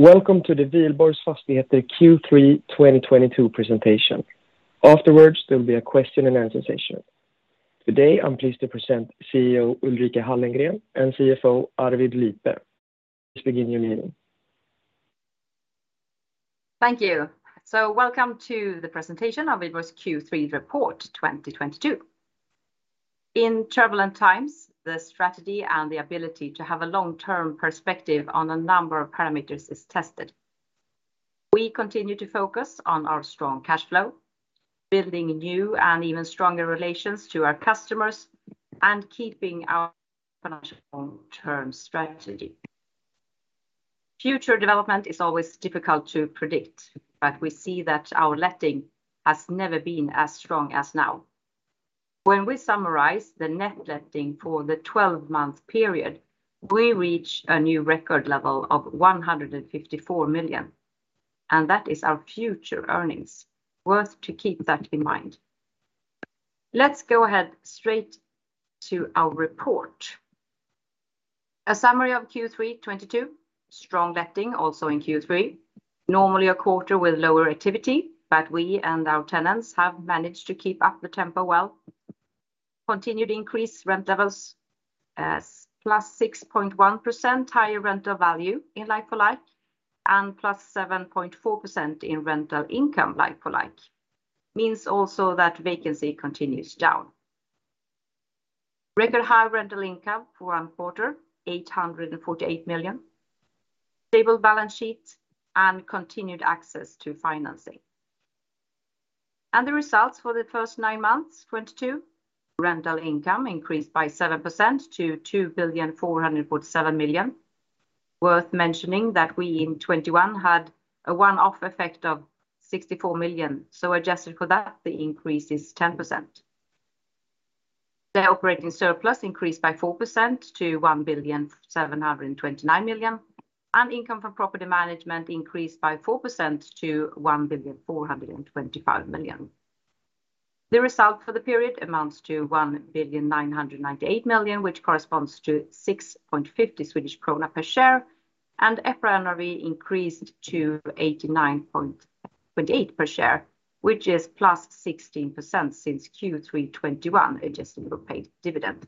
Welcome to the Wihlborgs Fastigheter Q3 2022 presentation. Afterwards, there'll be a question and answer session. Today, I'm pleased to present CEO Ulrika Hallengren and CFO Arvid Liepe. Please begin your meeting. Thank you. Welcome to the presentation of Wihlborgs Q3 report 2022. In turbulent times, the strategy and the ability to have a long-term perspective on a number of parameters is tested. We continue to focus on our strong cash flow, building new and even stronger relations to our customers, and keeping our financial long-term strategy. Future development is always difficult to predict, but we see that our letting has never been as strong as now. When we summarize the net letting for the 12-month period, we reach a new record level of 154 million, and that is our future earnings. Worth to keep that in mind. Let's go ahead straight to our report. A summary of Q3 2022. Strong letting also in Q3. Normally a quarter with lower activity, but we and our tenants have managed to keep up the tempo well. Continued increased rent levels, as +6.1% higher rental value in like-for-like, and +7.4% in rental income like-for-like. Means also that vacancy continues down. Record high rental income for one quarter, 848 million. Stable balance sheet and continued access to financing. The results for the first nine months of 2022. Rental income increased by 7% to 2,447 million. Worth mentioning that we in 2021 had a one-off effect of 64 million. Adjusted for that, the increase is 10%. The operating surplus increased by 4% to 1,729 million, and income from property management increased by 4% to 1,425 million. The result for the period amounts to 1,998 million, which corresponds to 6.50 Swedish krona per share, and EPRA NAV increased to 89.28 per share, which is +16% since Q3 2021, adjusted for paid dividend.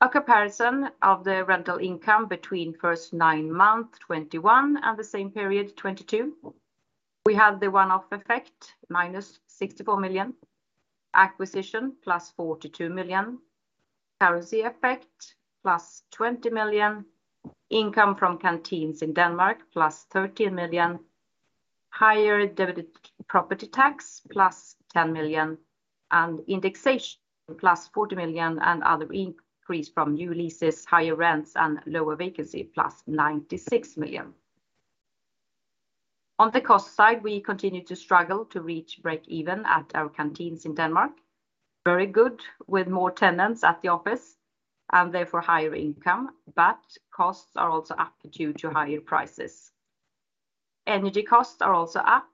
A comparison of the rental income between first nine months of 2021 and the same period 2022. We had the one-off effect, SEK-64 million. Acquisition, SEK+42 million. Currency effect, SEK+20 million. Income from canteens in Denmark, SEK+13 million. Higher debit property tax, +10 million, and indexation, SEK+40 million, and other increase from new leases, higher rents, and lower vacancy, SEK+96 million. On the cost side, we continue to struggle to reach break even at our canteens in Denmark. Very good with more tenants at the office and therefore higher income, but costs are also up due to higher prices. Energy costs are also up,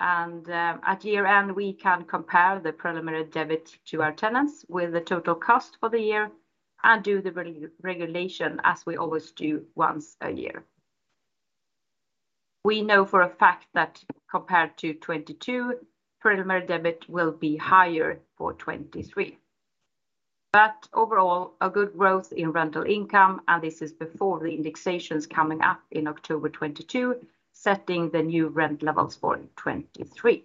and at year-end, we can compare the preliminary debit to our tenants with the total cost for the year and do the regulation as we always do once a year. We know for a fact that compared to 2022, preliminary debit will be higher for 2023. Overall, a good growth in rental income, and this is before the indexations coming up in October 2022, setting the new rent levels for 2023.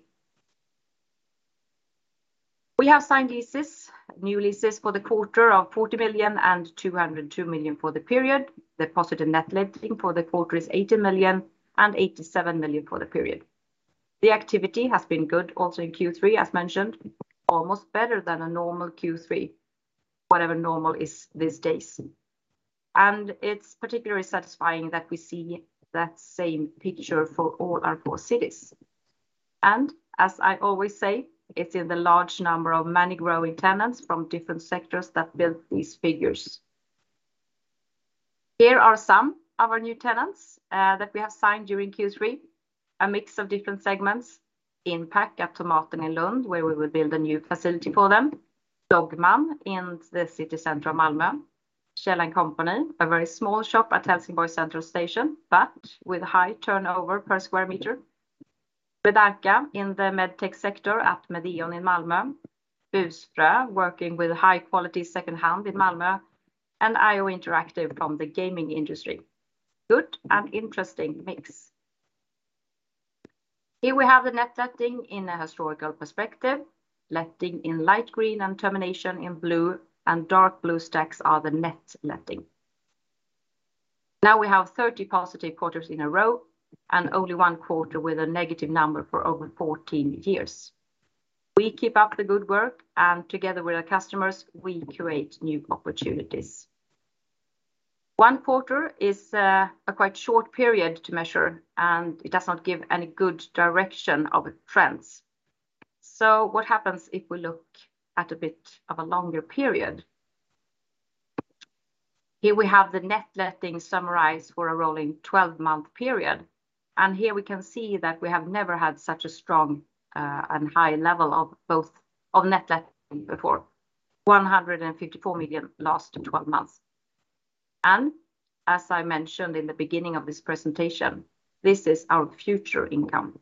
We have signed leases, new leases for the quarter of 40 million and 202 million for the period. The positive net letting for the quarter is 80 million and 87 million for the period. The activity has been good also in Q3, as mentioned, almost better than a normal Q3, whatever normal is these days. It's particularly satisfying that we see that same picture for all our four cities. As I always say, it's in the large number of many growing tenants from different sectors that build these figures. Here are some of our new tenants, that we have signed during Q3. A mix of different segments. Inpac at Tomaten in Lund, where we will build a new facility for them. Dogman in the city center of Malmö. Kjell & Company, a very small shop at Helsingborg Central Station, but with high turnover per square meter. Redarka in the med tech sector at Medeon in Malmö. Burströms, working with high-quality second-hand in Malmö. IO Interactive from the gaming industry. Good and interesting mix. Here we have the net letting in a historical perspective. Letting in light green and termination in blue, and dark blue stacks are the net letting. We have 30 positive quarters in a row and only one quarter with a negative number for over 14 years. We keep up the good work, and together with our customers, we create new opportunities. One quarter is a quite short period to measure, and it does not give any good direction of trends. What happens if we look at a bit of a longer period? Here we have the net letting summarized for a rolling 12-month period, and here we can see that we have never had such a strong and high level of net letting before. 154 million last 12 months. As I mentioned in the beginning of this presentation, this is our future income.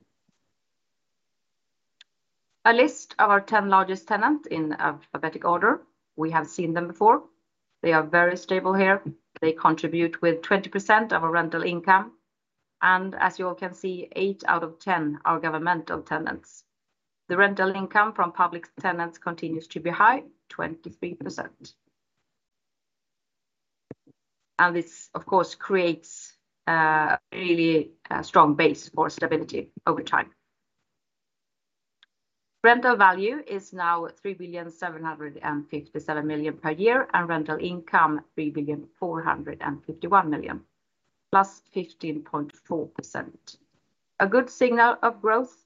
A list of our ten largest tenants in alphabetic order. We have seen them before. They are very stable here. They contribute with 20% of our rental income. As you all can see, eight out of 10 are governmental tenants. The rental income from public tenants continues to be high, 23%. This of course creates really a strong base for stability over time. Rental value is now 3.757 billion per year, and rental income, 3.451 billion, +15.4%. A good signal of growth,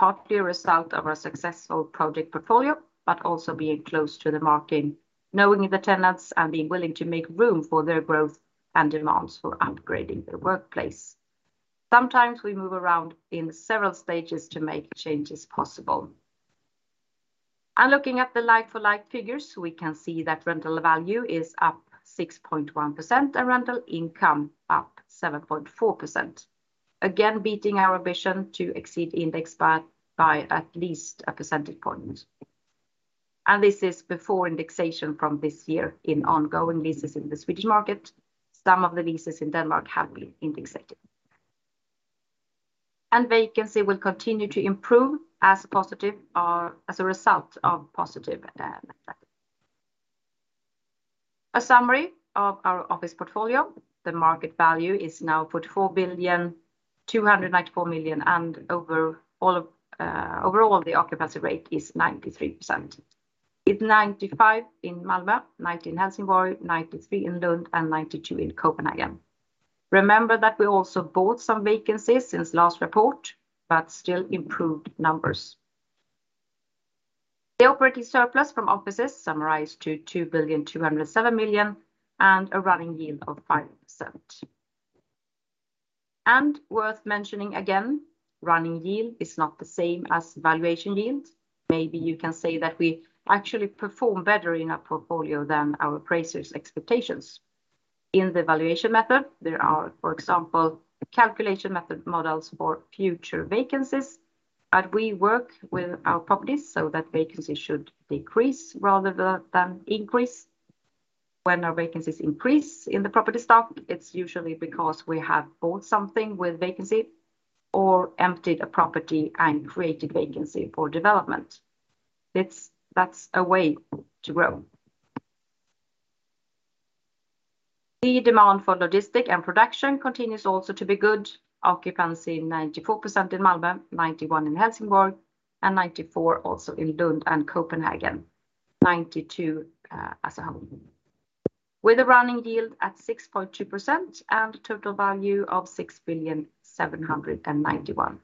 partly a result of our successful project portfolio, but also being close to the market, knowing the tenants, and being willing to make room for their growth and demands for upgrading their workplace. Sometimes we move around in several stages to make changes possible. Looking at the like-for-like figures, we can see that rental value is up 6.1% and rental income up 7.4%. Again, beating our ambition to exceed index by at least a percentage point. This is before indexation from this year in ongoing leases in the Swedish market. Some of the leases in Denmark have been indexed. Vacancy will continue to improve as a result of positive net letting. A summary of our office portfolio. The market value is now 44.294 billion, and overall, the occupancy rate is 93%. It's 95% in Malmö, 90% in Helsingborg, 93% in Lund, and 92% in Copenhagen. Remember that we also bought some vacancies since last report, but still improved numbers. The operating surplus from offices summarized to 2,207 million, and a running yield of 5%. Worth mentioning again, running yield is not the same as valuation yield. Maybe you can say that we actually perform better in our portfolio than our appraisers' expectations. In the valuation method, there are, for example, calculation method models for future vacancies. We work with our properties so that vacancy should decrease rather than increase. When our vacancies increase in the property stock, it's usually because we have bought something with vacancy or emptied a property and created vacancy for development. That's a way to grow. The demand for logistics and production continues also to be good. Occupancy 94% in Malmö, 91% in Helsingborg, and 94% also in Lund and Copenhagen. 92% as a whole. With a running yield at 6.2% and a total value of 6.791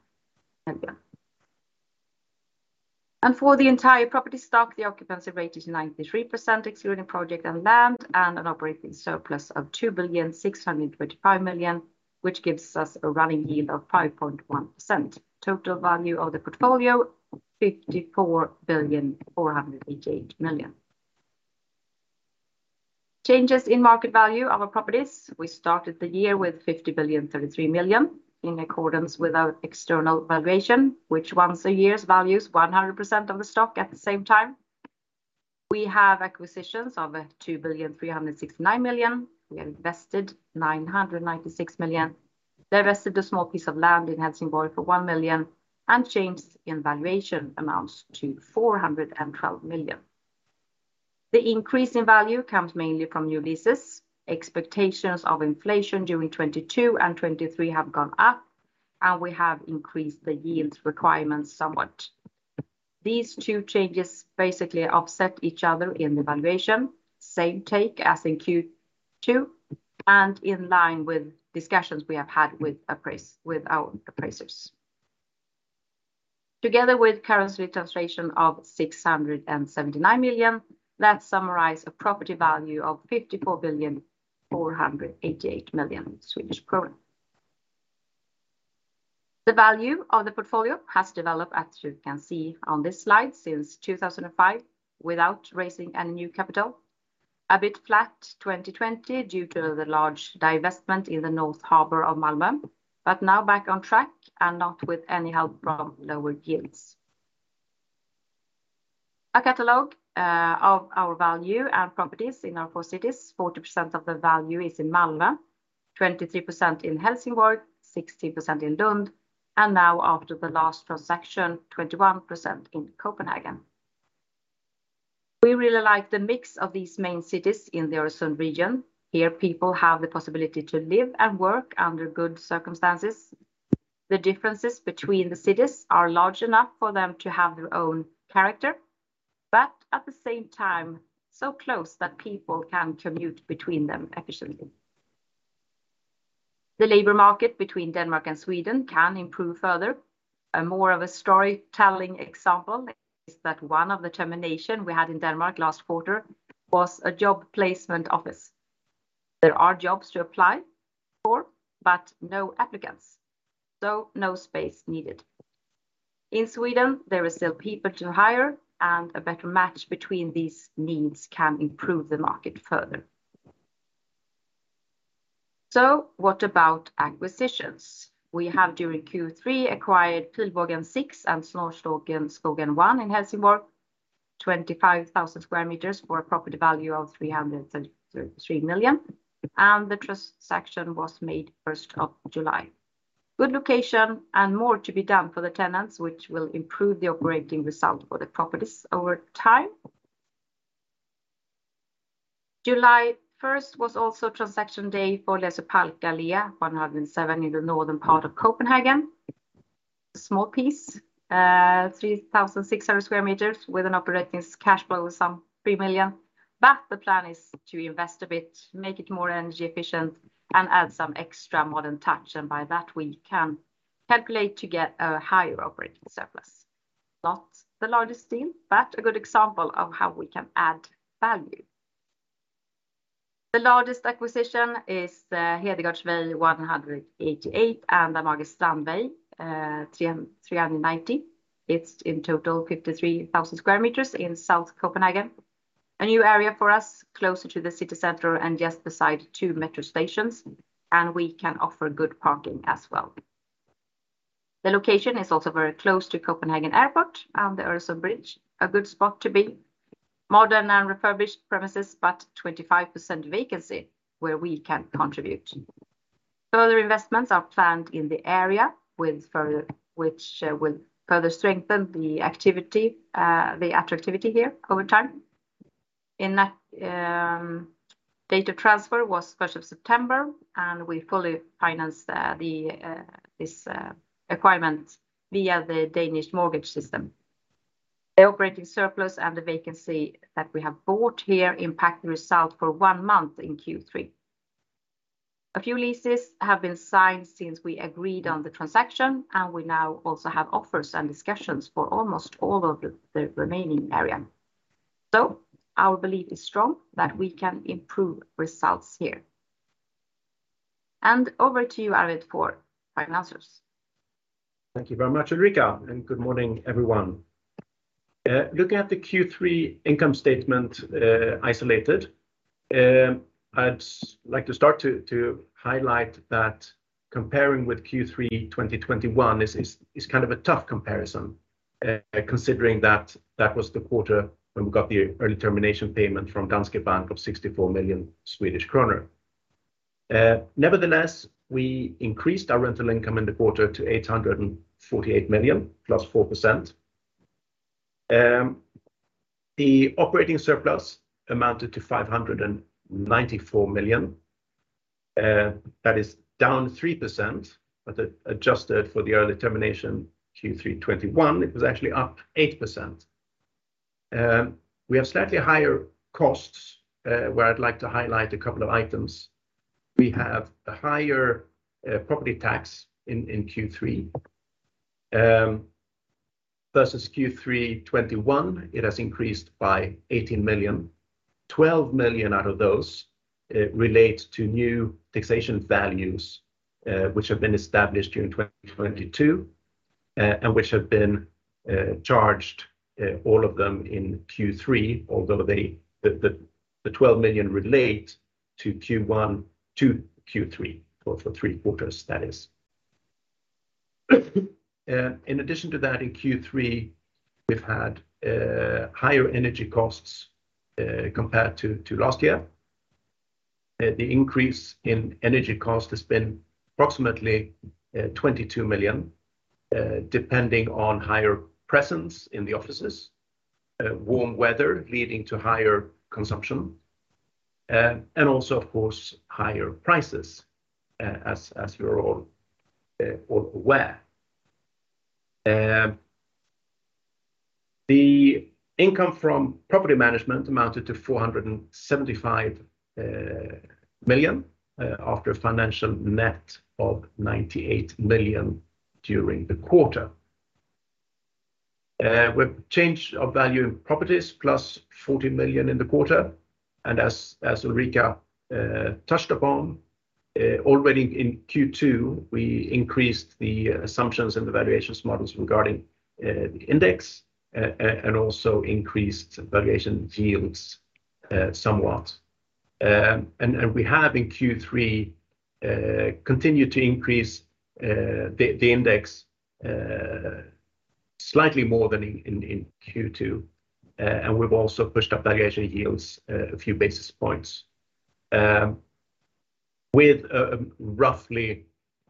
billion. For the entire property stock, the occupancy rate is 93%, excluding project and land, and an operating surplus of 2.625 billion, which gives us a running yield of 5.1%. Total value of the portfolio, 54.488 billion. Changes in market value of our properties. We started the year with 50.033 billion in accordance with our external valuation, which once a year values 100% of the stock at the same time. We have acquisitions of 2.369 billion. We invested 996 million. Divested a small piece of land in Helsingborg for 1 million, and changes in valuation amounts to 412 million. The increase in value comes mainly from new leases. Expectations of inflation during 2022 and 2023 have gone up, and we have increased the yields requirements somewhat. These two changes basically offset each other in the valuation. Same take as in Q2 and in line with discussions we have had with our appraisers. Together with currency translation of 679 million, that summarizes a property value of 54,488 million Swedish kronor. The value of the portfolio has developed, as you can see on this slide, since 2005 without raising any new capital. A bit flat 2020 due to the large divestment in the North Harbor of Malmö, but now back on track and not with any help from lower yields. A catalog of our value and properties in our four cities. 40% of the value is in Malmö, 23% in Helsingborg, 16% in Lund, and now after the last transaction, 21% in Copenhagen. We really like the mix of these main cities in the Öresund region. Here, people have the possibility to live and work under good circumstances. The differences between the cities are large enough for them to have their own character, but at the same time, so close that people can commute between them efficiently. The labor market between Denmark and Sweden can improve further. A sort of storytelling example is that one of the terminations we had in Denmark last quarter was a job placement office. There are jobs to apply for, but no applicants. No space needed. In Sweden, there are still people to hire, and a better match between these needs can improve the market further. What about acquisitions? We have during Q3 acquired Pilbågen six and Snårskogen one in Helsingborg, 25,000 sq m for a property value of 333 million. The transaction was made July 1st. Good location and more to be done for the tenants, which will improve the operating result for the properties over time. July 1st was also transaction day for Lersø Parkallé 107 in the northern part of Copenhagen. Small piece, 3,600 sq m with an operating cash flow of some 3 million. The plan is to invest a bit, make it more energy efficient, and add some extra modern touch. By that, we can calculate to get a higher operating surplus. Not the largest deal, but a good example of how we can add value. The largest acquisition is the Hedegaardsvej 188, and Amager Strandvej 390. It's in total 53,000 sq m in South Copenhagen. A new area for us, closer to the city center and just beside two metro stations, and we can offer good parking as well. The location is also very close to Copenhagen Airport and the Öresund Bridge, a good spot to be. Modern and refurbished premises, but 25% vacancy where we can contribute. Further investments are planned in the area which will further strengthen the activity here over time. In that, the date of transfer was first of September, and we fully financed this acquisition via the Danish mortgage system. The operating surplus and the vacancy that we have bought here impact the result for one month in Q3. A few leases have been signed since we agreed on the transaction, and we now also have offers and discussions for almost all of the remaining area. Our belief is strong that we can improve results here. Over to you, Arvid, for finances. Thank you very much, Ulrika, and good morning, everyone. Looking at the Q3 income statement, isolated, I'd like to start to highlight that comparing with Q3 2021 is kind of a tough comparison, considering that that was the quarter when we got the early termination payment from Danske Bank of 64 million Swedish kronor. Nevertheless, we increased our rental income in the quarter to 848 million, +4%. The operating surplus amounted to 594 million. That is down 3%. Adjusted for the early termination, Q3 2021, it was actually up 8%. We have slightly higher costs, where I'd like to highlight a couple of items. We have a higher property tax in Q3. Versus Q3 2021, it has increased by 18 million. 12 million out of those relate to new taxation values, which have been established during 2022, and which have been charged, all of them in Q3. The 12 million relate to Q1 to Q3, or for three quarters, that is. In addition to that, in Q3, we've had higher energy costs, compared to last year. The increase in energy cost has been approximately 22 million, depending on higher presence in the offices, warm weather leading to higher consumption, and also, of course, higher prices, as we are all aware. The income from property management amounted to 475 million, after a financial net of 98 million during the quarter. With change of value in properties +40 million in the quarter. As Ulrika touched upon already in Q2, we increased the assumptions and the valuation models regarding the index, and also increased valuation yields somewhat. We have in Q3 continued to increase the index slightly more than in Q2. We've also pushed up valuation yields a few basis points with a roughly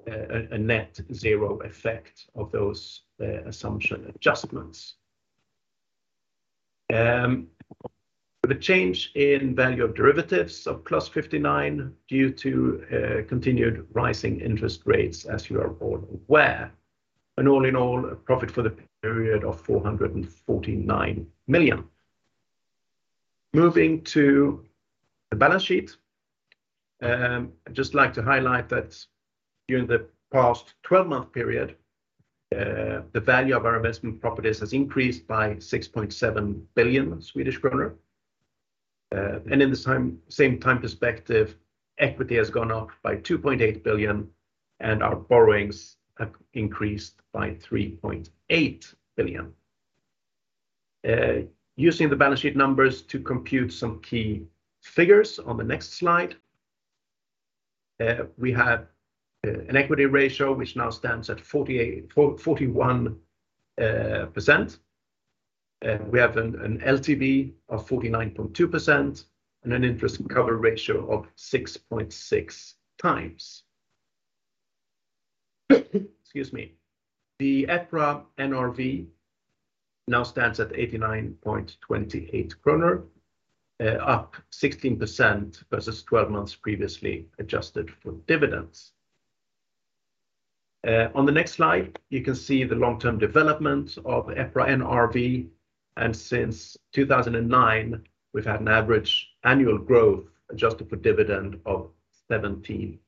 a net zero effect of those assumption adjustments. With a change in value of derivatives of +59 million due to continued rising interest rates, as you are all aware. All in all, a profit for the period of 449 million. Moving to the balance sheet. I'd just like to highlight that during the past 12-month period, the value of our investment properties has increased by 6.7 billion Swedish kronor. In the same time perspective, equity has gone up by 2.8 billion, and our borrowings have increased by 3.8 billion. Using the balance sheet numbers to compute some key figures on the next slide, we have an equity ratio which now stands at 41%. We have an LTV of 49.2% and an interest cover ratio of 6.6x. The EPRA NRV now stands at 89.28 kronor, up 16% versus 12 months previously, adjusted for dividends. On the next slide, you can see the long-term development of EPRA NRV, and since 2009, we've had an average annual growth adjusted for dividend of 17%.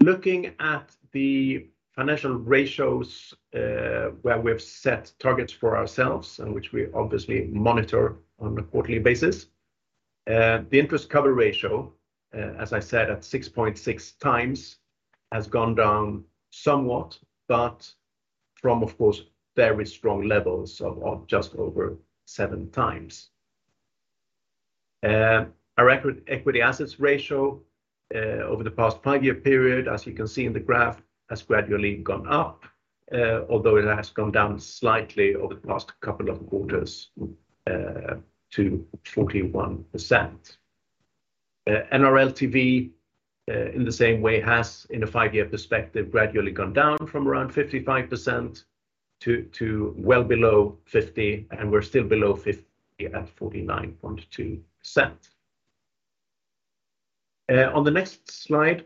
Looking at the financial ratios, where we've set targets for ourselves and which we obviously monitor on a quarterly basis, the interest cover ratio, as I said, at 6.6x has gone down somewhat, but from, of course, very strong levels of just over 7x. Our equity ratio, over the past five-year period, as you can see in the graph, has gradually gone up, although it has gone down slightly over the past couple of quarters, to 41%. Our LTV in the same way has, in a five-year perspective, gradually gone down from around 55% to well below 50%, and we're still below 50% at 49.2%. On the next slide,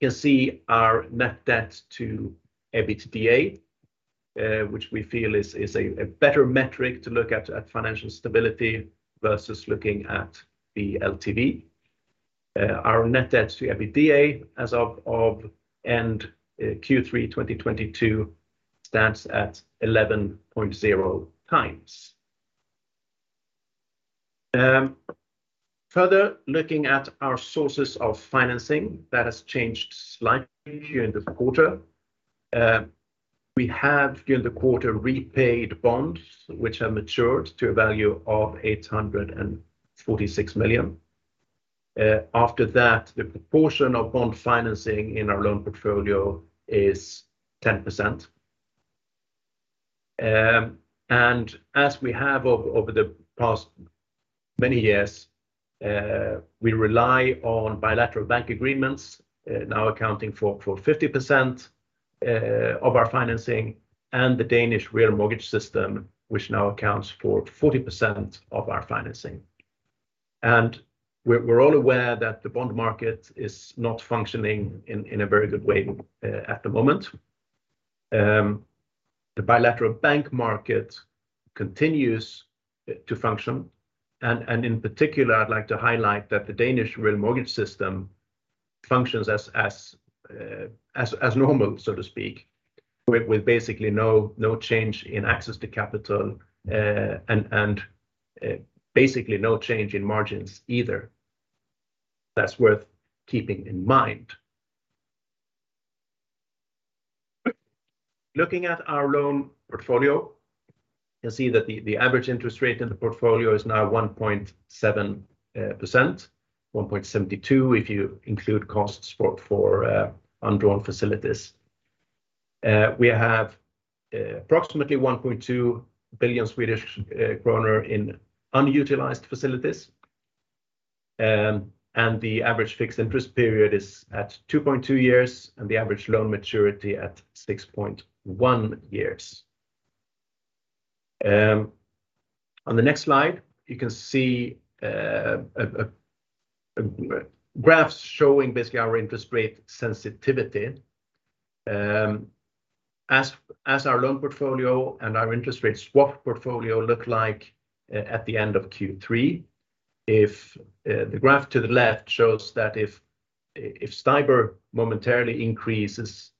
you'll see our net debt to EBITDA, which we feel is a better metric to look at financial stability versus looking at the LTV. Our net debt to EBITDA as of end Q3 2022 stands at 11.0x. Further, looking at our sources of financing, that has changed slightly during this quarter. We have, during the quarter repaid bonds which have matured to a value of 846 million. After that, the proportion of bond financing in our loan portfolio is 10%. As we have over the past many years, we rely on bilateral bank agreements, now accounting for 50% of our financing and the Danish mortgage system, which now accounts for 40% of our financing. We're all aware that the bond market is not functioning in a very good way at the moment. The bilateral bank market continues to function and in particular, I'd like to highlight that the Danish mortgage system functions as normal, so to speak, with basically no change in access to capital and basically no change in margins either. That's worth keeping in mind. Looking at our loan portfolio, you'll see that the average interest rate in the portfolio is now 1.7%, 1.72% if you include costs for undrawn facilities. We have approximately 1.2 billion Swedish kronor in unutilized facilities. The average fixed interest period is at two point two years, and the average loan maturity at six point one years. On the next slide, you can see a graph showing basically our interest rate sensitivity, as our loan portfolio and our interest rate swap portfolio look like at the end of Q3. The graph to the left shows that if STIBOR momentarily increases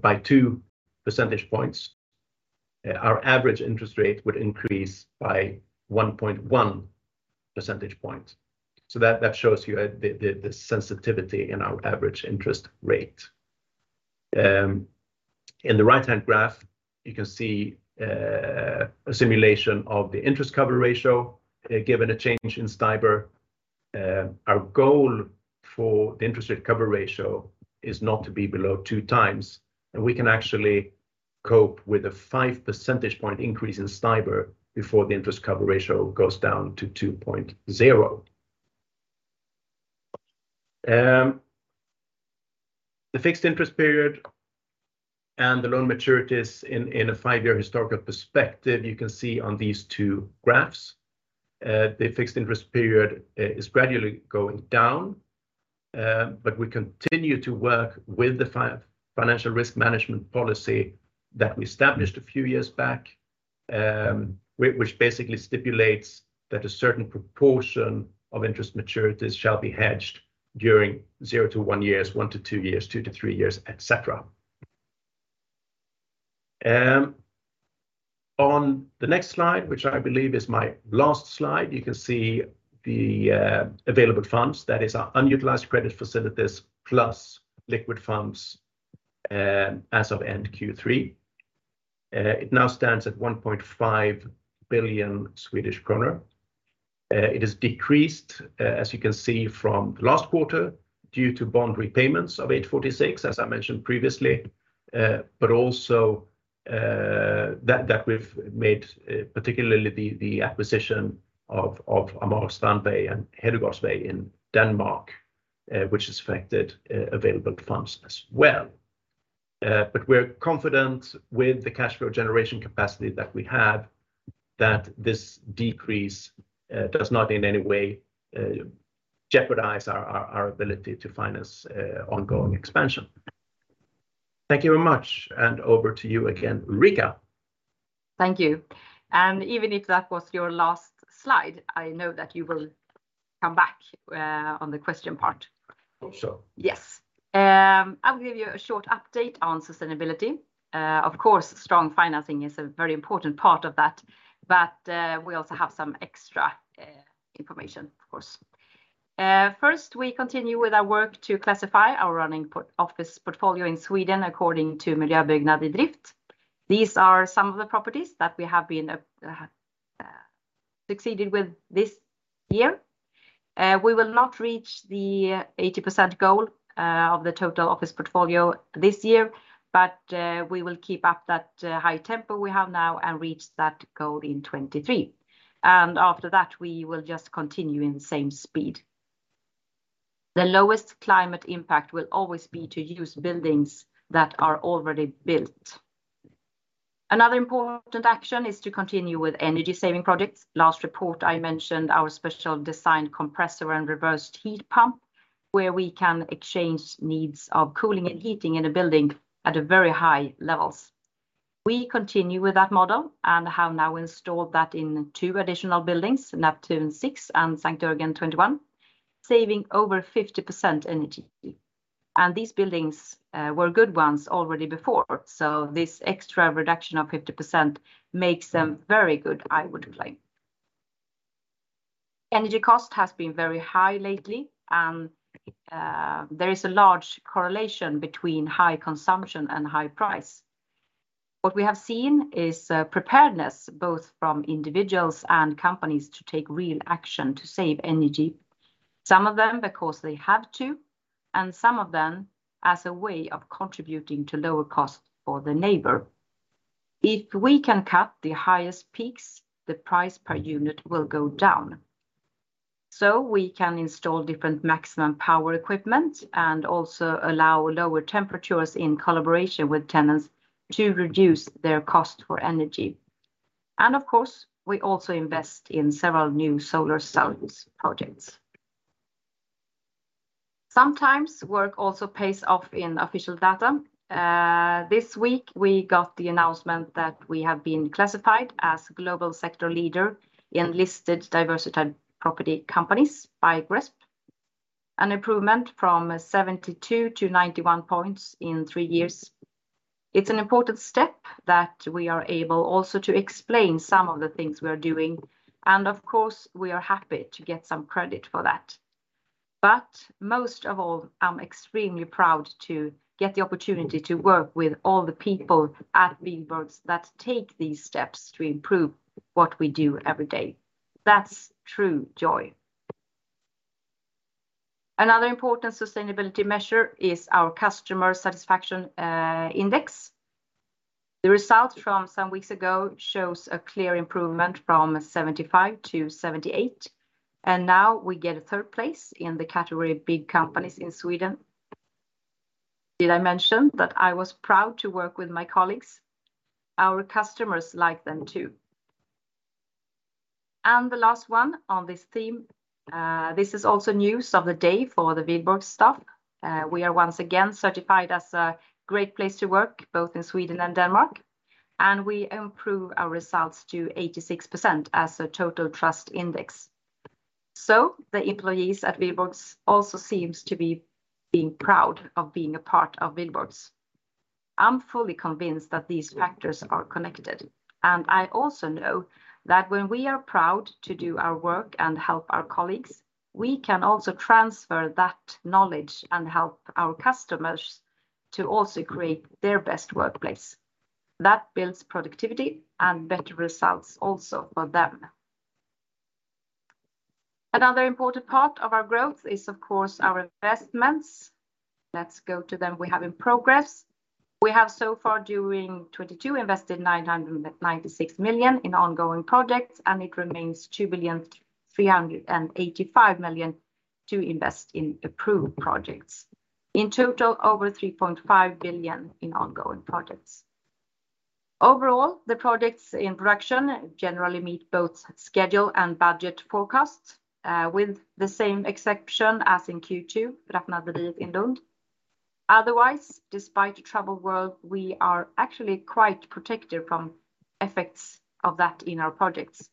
by 2 percentage points, our average interest rate would increase by 1.1 percentage point. That shows you the sensitivity in our average interest rate. In the right-hand graph, you can see a simulation of the interest cover ratio given a change in STIBOR. Our goal for the interest cover ratio is not to be below 2x, and we can actually cope with a 5 percentage point increase in STIBOR before the interest cover ratio goes down to 2.0x. The fixed interest period and the loan maturities, in a five-year historical perspective, you can see on these two graphs. The fixed interest period is gradually going down, but we continue to work with the financial risk management policy that we established a few years back. Which basically stipulates that a certain proportion of interest maturities shall be hedged during zero to one years, one to two years, two to three years, et cetera. On the next slide, which I believe is my last slide, you can see the available funds, that is our unutilized credit facilities plus liquid funds, as of end Q3. It now stands at 1.5 billion Swedish kronor. It has decreased, as you can see from last quarter, due to bond repayments of 846, as I mentioned previously, but also that we've made, particularly the acquisition of Amager Strandvej and Hedegaardsvej in Denmark, which has affected available funds as well. We're confident with the cash flow generation capacity that we have that this decrease does not in any way jeopardize our ability to finance ongoing expansion. Thank you very much, and over to you again, Ulrika. Thank you. Even if that was your last slide, I know that you will come back on the question part. Hope so. Yes. I'll give you a short update on sustainability. Of course, strong financing is a very important part of that, but we also have some extra information, of course. First, we continue with our work to classify our office portfolio in Sweden according to Miljöbyggnad iDrift. These are some of the properties that we have succeeded with this year. We will not reach the 80% goal of the total office portfolio this year, but we will keep up that high tempo we have now and reach that goal in 2023. After that, we will just continue in the same speed. The lowest climate impact will always be to use buildings that are already built. Another important action is to continue with energy-saving projects. Last report I mentioned our special designed compressor and reversed heat pump, where we can exchange needs of cooling and heating in a building at a very high levels. We continue with that model and have now installed that in two additional buildings, Neptun six and Sankt Jörgen 21, saving over 50% energy. These buildings were good ones already before. This extra reduction of 50% makes them very good, I would claim. Energy cost has been very high lately, and there is a large correlation between high consumption and high price. What we have seen is a preparedness, both from individuals and companies, to take real action to save energy. Some of them because they have to, and some of them as a way of contributing to lower cost for the neighbor. If we can cut the highest peaks, the price per unit will go down. We can install different maximum power equipment and also allow lower temperatures in collaboration with tenants to reduce their cost for energy. Of course, we also invest in several new solar cells projects. Sometimes work also pays off in official data. This week, we got the announcement that we have been classified as a global sector leader in Listed Diversified Property Companies by GRESB, an improvement from 72 to 91 points in three years. It's an important step that we are able also to explain some of the things we are doing, and of course, we are happy to get some credit for that. Most of all, I'm extremely proud to get the opportunity to work with all the people at Wihlborgs that take these steps to improve what we do every day. That's true joy. Another important sustainability measure is our customer satisfaction index. The result from some weeks ago shows a clear improvement from 75 to 78, and now we get a third place in the category Big Companies in Sweden. Did I mention that I was proud to work with my colleagues? Our customers like them too. The last one on this theme, this is also news of the day for the Wihlborgs staff. We are once again certified as a Great Place to Work, both in Sweden and Denmark, and we improve our results to 86% as a total trust index. The employees at Wihlborgs also seems to be being proud of being a part of Wihlborgs. I'm fully convinced that these factors are connected, and I also know that when we are proud to do our work and help our colleagues, we can also transfer that knowledge and help our customers to also create their best workplace. That builds productivity and better results, also for them. Another important part of our growth is, of course, our investments. Let's go to them. We have in progress. We have so far during 2022 invested 996 million in ongoing projects, and it remains 2.385 billion to invest in approved projects. In total, over 3.5 billion in ongoing projects. Overall, the projects in production generally meet both schedule and budget forecasts, with the same exception as in Q2, Raffinaderiet in Lund. Otherwise, despite the troubled world, we are actually quite protected from effects of that in our projects.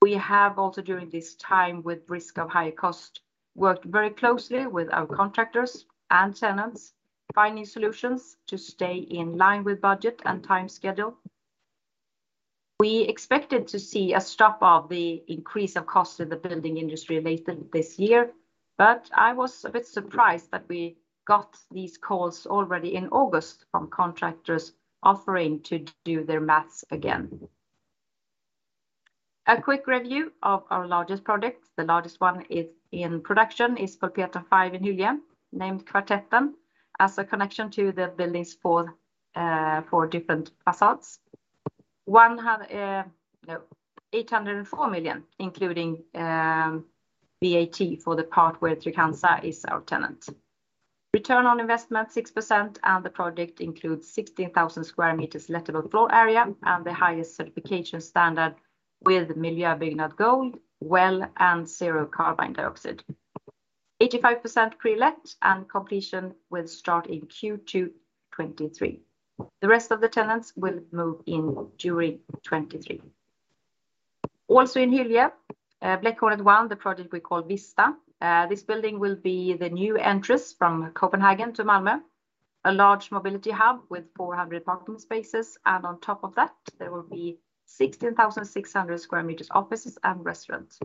We have also, during this time, with risk of high cost, worked very closely with our contractors and tenants, finding solutions to stay in line with budget and time schedule. We expected to see a stop of the increase of cost in the building industry later this year, but I was a bit surprised that we got these calls already in August from contractors offering to do their math again. A quick review of our largest projects. The largest one is in production, is Pulpeten five in Hyllie, named Kvartetten, as a connection to the building's four different facades. 804 million, including VAT for the part where Trygg-Hansa is our tenant. Return on investment 6%, and the project includes 16,000 sq m lettable of floor area, and the highest certification standard with Miljöbyggnad Gold, WELL, and zero carbon dioxide. 85% pre-let, and completion will start in Q2 2023. The rest of the tenants will move in during 2023. Also in Hyllie, Blackholmen one, the project we call Vista. This building will be the new entrance from Copenhagen to Malmö, a large mobility hub with 400 parking spaces, and on top of that, there will be 16,600 sq m offices and restaurants.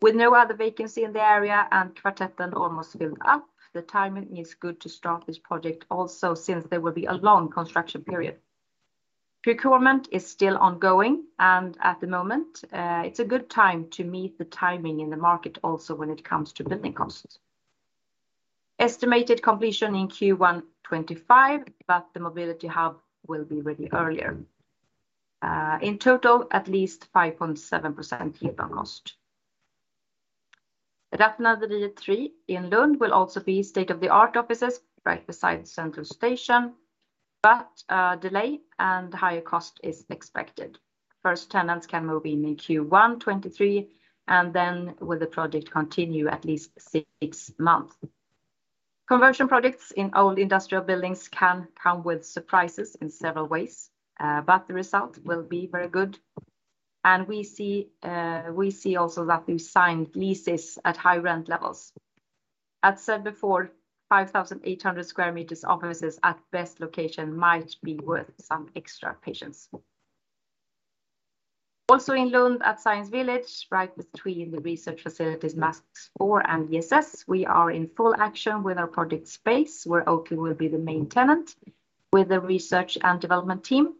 With no other vacancy in the area and Kvartetten almost filled up, the timing is good to start this project also, since there will be a long construction period. Procurement is still ongoing, and at the moment, it's a good time to meet the timing in the market also when it comes to building costs. Estimated completion in Q1 2025, but the mobility hub will be ready earlier. In total, at least 5.7% yield on cost. Raffinaderiet three in Lund will also be state-of-the-art offices right beside the central station, but a delay and higher cost is expected. First tenants can move in in Q1 2023, and then will the project continue at least six months. Conversion projects in old industrial buildings can come with surprises in several ways, but the result will be very good. We see also that we've signed leases at high rent levels. As said before, 5,800 sq m offices at best location might be worth some extra patience. Also in Lund at Science Village, right between the research facilities MAX IV and ESS, we are in full action with our project space, where Oatly will be the main tenant with a research and development team,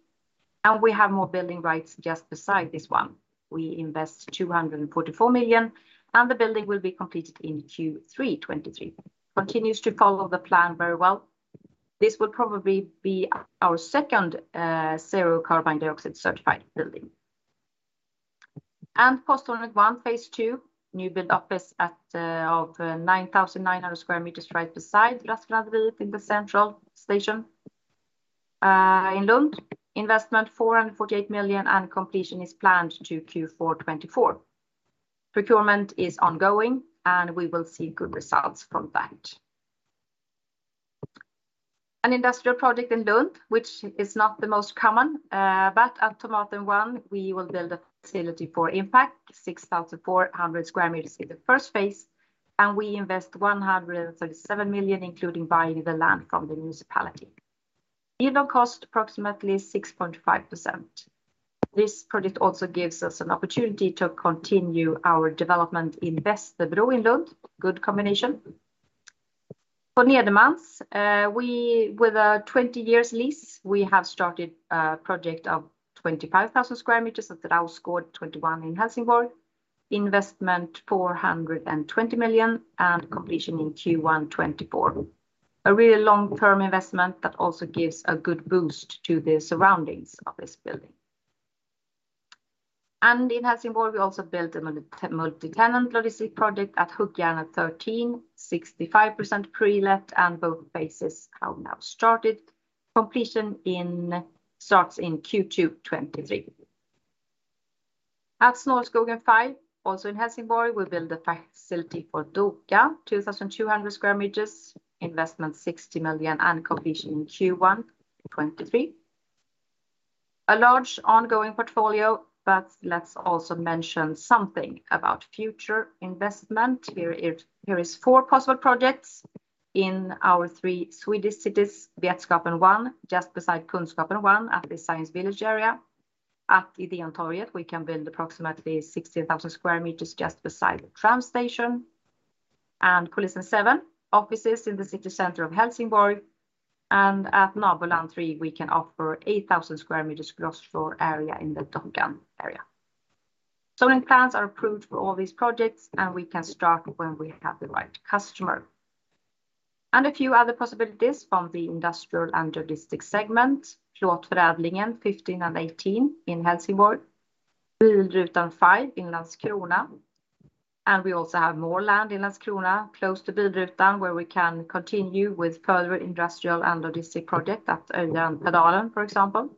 and we have more building rights just beside this one. We invest 244 million, and the building will be completed in Q3 2023. Continues to follow the plan very well. This will probably be our second zero-carbon dioxide certified building. Posthornet one, phase two, new build office of 9,90 sq m right beside Rausgård in the central station in Lund. Investment 448 million, and completion is planned to Q4 2024. Procurement is ongoing, and we will see good results from that. An industrial project in Lund, which is not the most common, but at Tomaten one, we will build a facility for Inpac, 6,400 sq in the first phase, and we invest 137 million, including buying the land from the municipality. Yield on cost approximately 6.5%. This project also gives us an opportunity to continue our development in Västerbro in Lund. Good combination. For Nederman, with a 20-year lease, we have started a project of 25,000 sq m at Rausgård 21 in Helsingborg. Investment 420 million, and completion in Q1 2024. A really long-term investment that also gives a good boost to the surroundings of this building. In Helsingborg, we also built a multi-tenant logistics project at Hökärna 13, 65% pre-let, and both phases have now started. Completion starts in Q2 2023. At Snårskogen five, also in Helsingborg, we build a facility for Doka, 2,200 sq m. Investment 60 million, and completion in Q1 2023. A large ongoing portfolio, but let's also mention something about future investment. Here are four possible projects in our three Swedish cities. Vetskapen one, just beside Kunskapen one at the Science Village area. At Ideontorget, we can build approximately 16,000 sq m just beside the tram station. Kulissen seven, offices in the city center of Helsingborg. At Nårboland three, we can offer 8,000 sq m gross floor area in the Tången area. Zoning plans are approved for all these projects, and we can start when we have the right customer. A few other possibilities from the industrial and logistics segment. Plåtförädlingen 15 and 18 in Helsingborg. Bilrutan five in Landskrona. We also have more land in Landskrona, close to Bilrutan, where we can continue with further industrial and logistic project at Örja Pedalen, for example.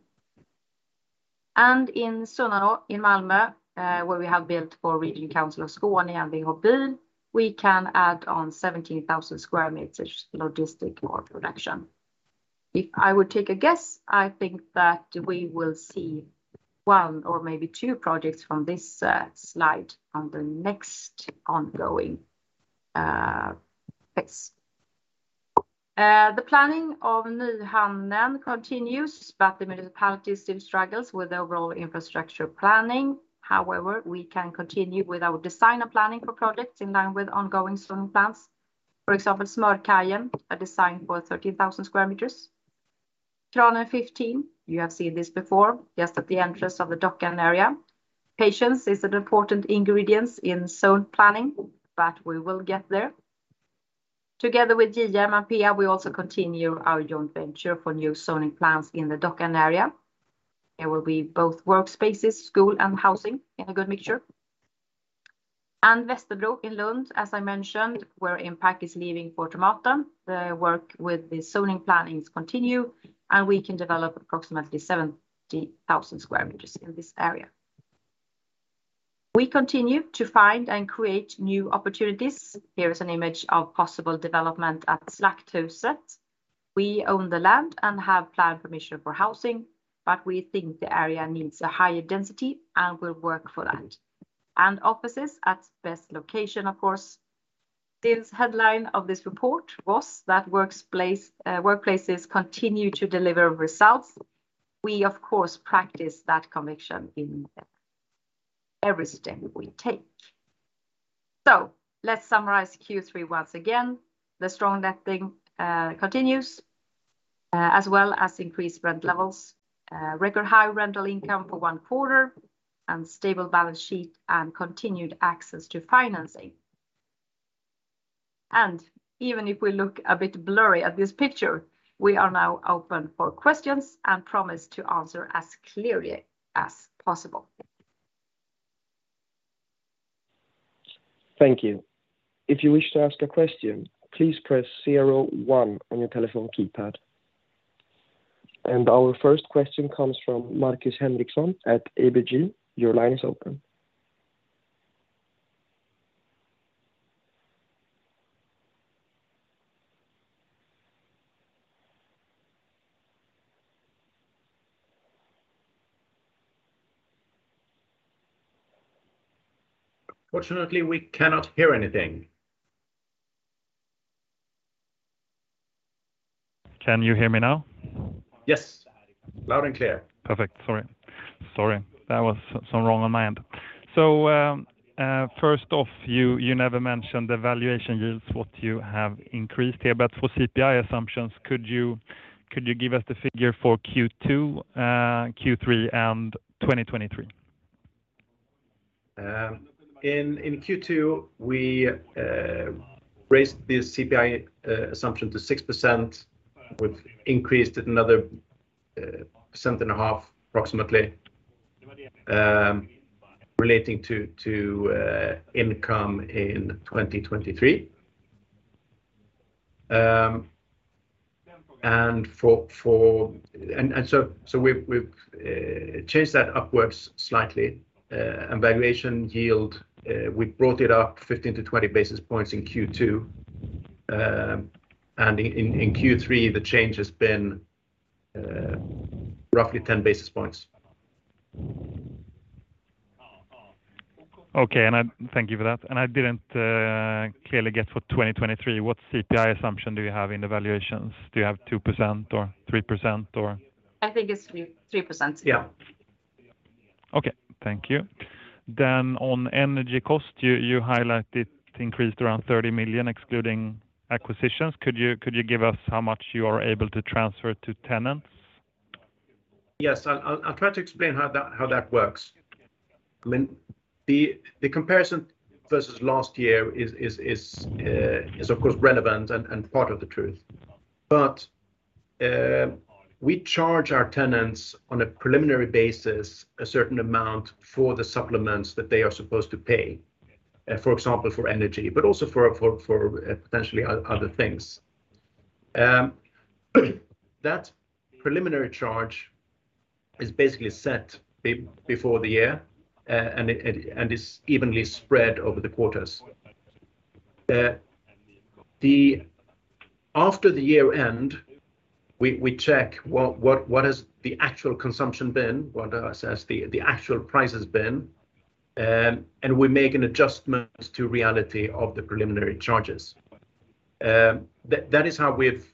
In Sunnanå in Malmö, where we have built for Region Skåne and VHB, we can add on 17,000 sq m logistic or production. If I would take a guess, I think that we will see one or maybe two projects from this slide on the next ongoing phase. The planning of Nyhamnen continues, but the municipality still struggles with overall infrastructure planning. However, we can continue with our design and planning for projects in line with ongoing zoning plans. For example, Smörkajen, a design for 13,000 sq m. Kranen 15, you have seen this before, just at the entrance of the Dockan area. Patience is an important ingredient in zone planning, but we will get there. Together with JM and Peab, we also continue our joint venture for new zoning plans in the Dockan area. There will be both workspaces, school, and housing in a good mixture. Västerbro in Lund, as I mentioned, where Impact is leaving for Tomaten. The work with the zoning plans continues, and we can develop approximately 70,000 sq m in this area. We continue to find and create new opportunities. Here is an image of possible development at Slakthuset. We own the land and have planning permission for housing, but we think the area needs a higher density and will work for that. Offices at best location, of course. The headline of this report was that workplaces continue to deliver results. We of course, practice that conviction in every step we take. Let's summarize Q3 once again. The strong letting continues, as well as increased rent levels. Record high rental income for one quarter and stable balance sheet and continued access to financing. Even if we look a bit blurry at this picture, we are now open for questions and promise to answer as clearly as possible. Thank you. If you wish to ask a question, please press zero one on your telephone keypad. Our first question comes from Markus Henriksson at ABG. Your line is open. Unfortunately, we cannot hear anything. Can you hear me now? Yes. Loud and clear. Perfect. Sorry. That was so wrong on my end. First off, you never mentioned the valuation yields what you have increased here. For CPI assumptions, could you give us the figure for Q2, Q3, and 2023? In Q2, we raised the CPI assumption to 6%. We've increased it another 1.5% approximately, relating to income in 2023. We've changed that upwards slightly. Valuation yield, we brought it up 15-20 basis points in Q2. In Q3, the change has been roughly 10 basis points. Thank you for that. I didn't clearly get for 2023, what CPI assumption do you have in the valuations? Do you have 2% or 3% or? I think it's 3.3%. Yeah. On energy cost, you highlighted increased around 30 million, excluding acquisitions. Could you give us how much you are able to transfer to tenants? Yes. I'll try to explain how that works. I mean, the comparison versus last year is of course relevant and part of the truth. We charge our tenants on a preliminary basis a certain amount for the supplements that they are supposed to pay, for example, for energy, but also for potentially other things. That preliminary charge is basically set before the year, and it is evenly spread over the quarters. After the year end, we check what the actual consumption has been, what the actual price has been, and we make an adjustment to reality of the preliminary charges. That is how we've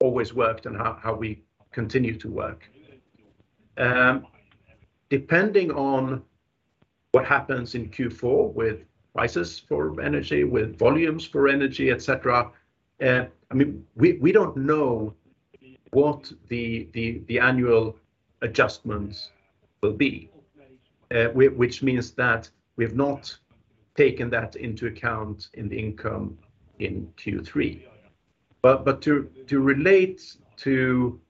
always worked and how we continue to work. Depending on what happens in Q4 with prices for energy, with volumes for energy, et cetera, I mean, we don't know what the annual adjustments will be. Which means that we have not taken that into account in the income in Q3. To relate to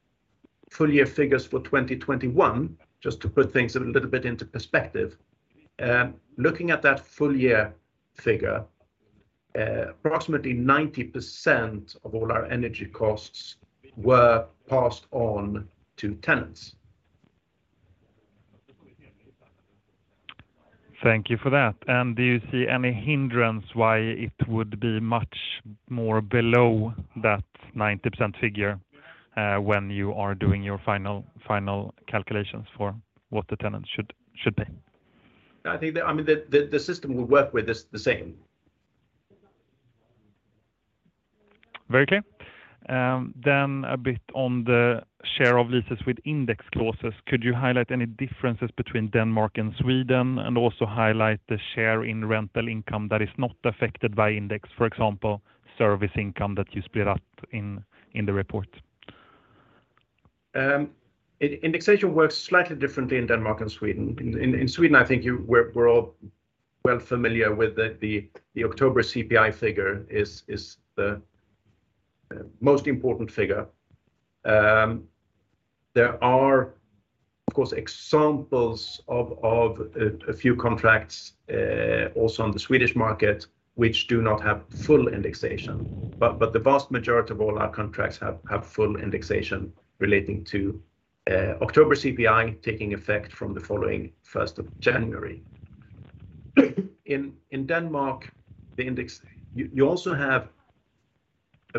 full-year figures for 2021, just to put things a little bit into perspective, looking at that full-year figure. Approximately 90% of all our energy costs were passed on to tenants. Thank you for that. Do you see any hindrance why it would be much more below that 90% figure, when you are doing your final calculations for what the tenants should pay? I mean, the system will work with this the same. Very clear. Then a bit on the share of leases with index clauses. Could you highlight any differences between Denmark and Sweden, and also highlight the share in rental income that is not affected by index, for example, service income that you split up in the report? Indexation works slightly differently in Denmark and Sweden. In Sweden, I think we're all well familiar with the October CPI figure is the most important figure. There are, of course, examples of a few contracts also on the Swedish market, which do not have full indexation. The vast majority of all our contracts have full indexation relating to October CPI taking effect from the following 1st of January. In Denmark, you also have a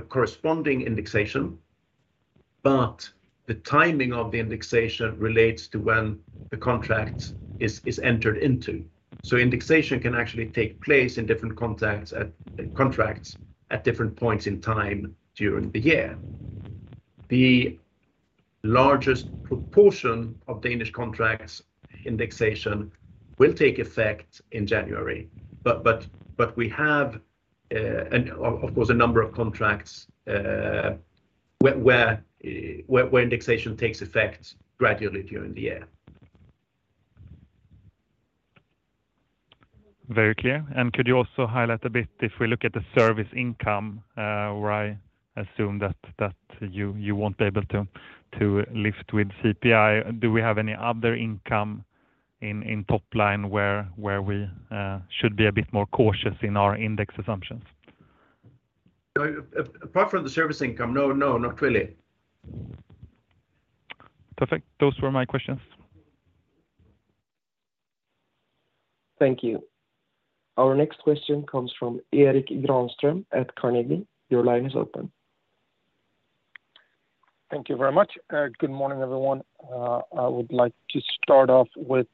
corresponding indexation, but the timing of the indexation relates to when the contract is entered into. Indexation can actually take place in different contracts at different points in time during the year. The largest proportion of Danish contracts' indexation will take effect in January. We have, and of course, a number of contracts where indexation takes effect gradually during the year. Very clear. Could you also highlight a bit if we look at the service income, where I assume that you won't be able to lift with CPI. Do we have any other income in top line where we should be a bit more cautious in our index assumptions? Apart from the service income, no, not really. Perfect. Those were my questions. Thank you. Our next question comes from Erik Granström at Carnegie. Your line is open. Thank you very much. Good morning, everyone. I would like to start off with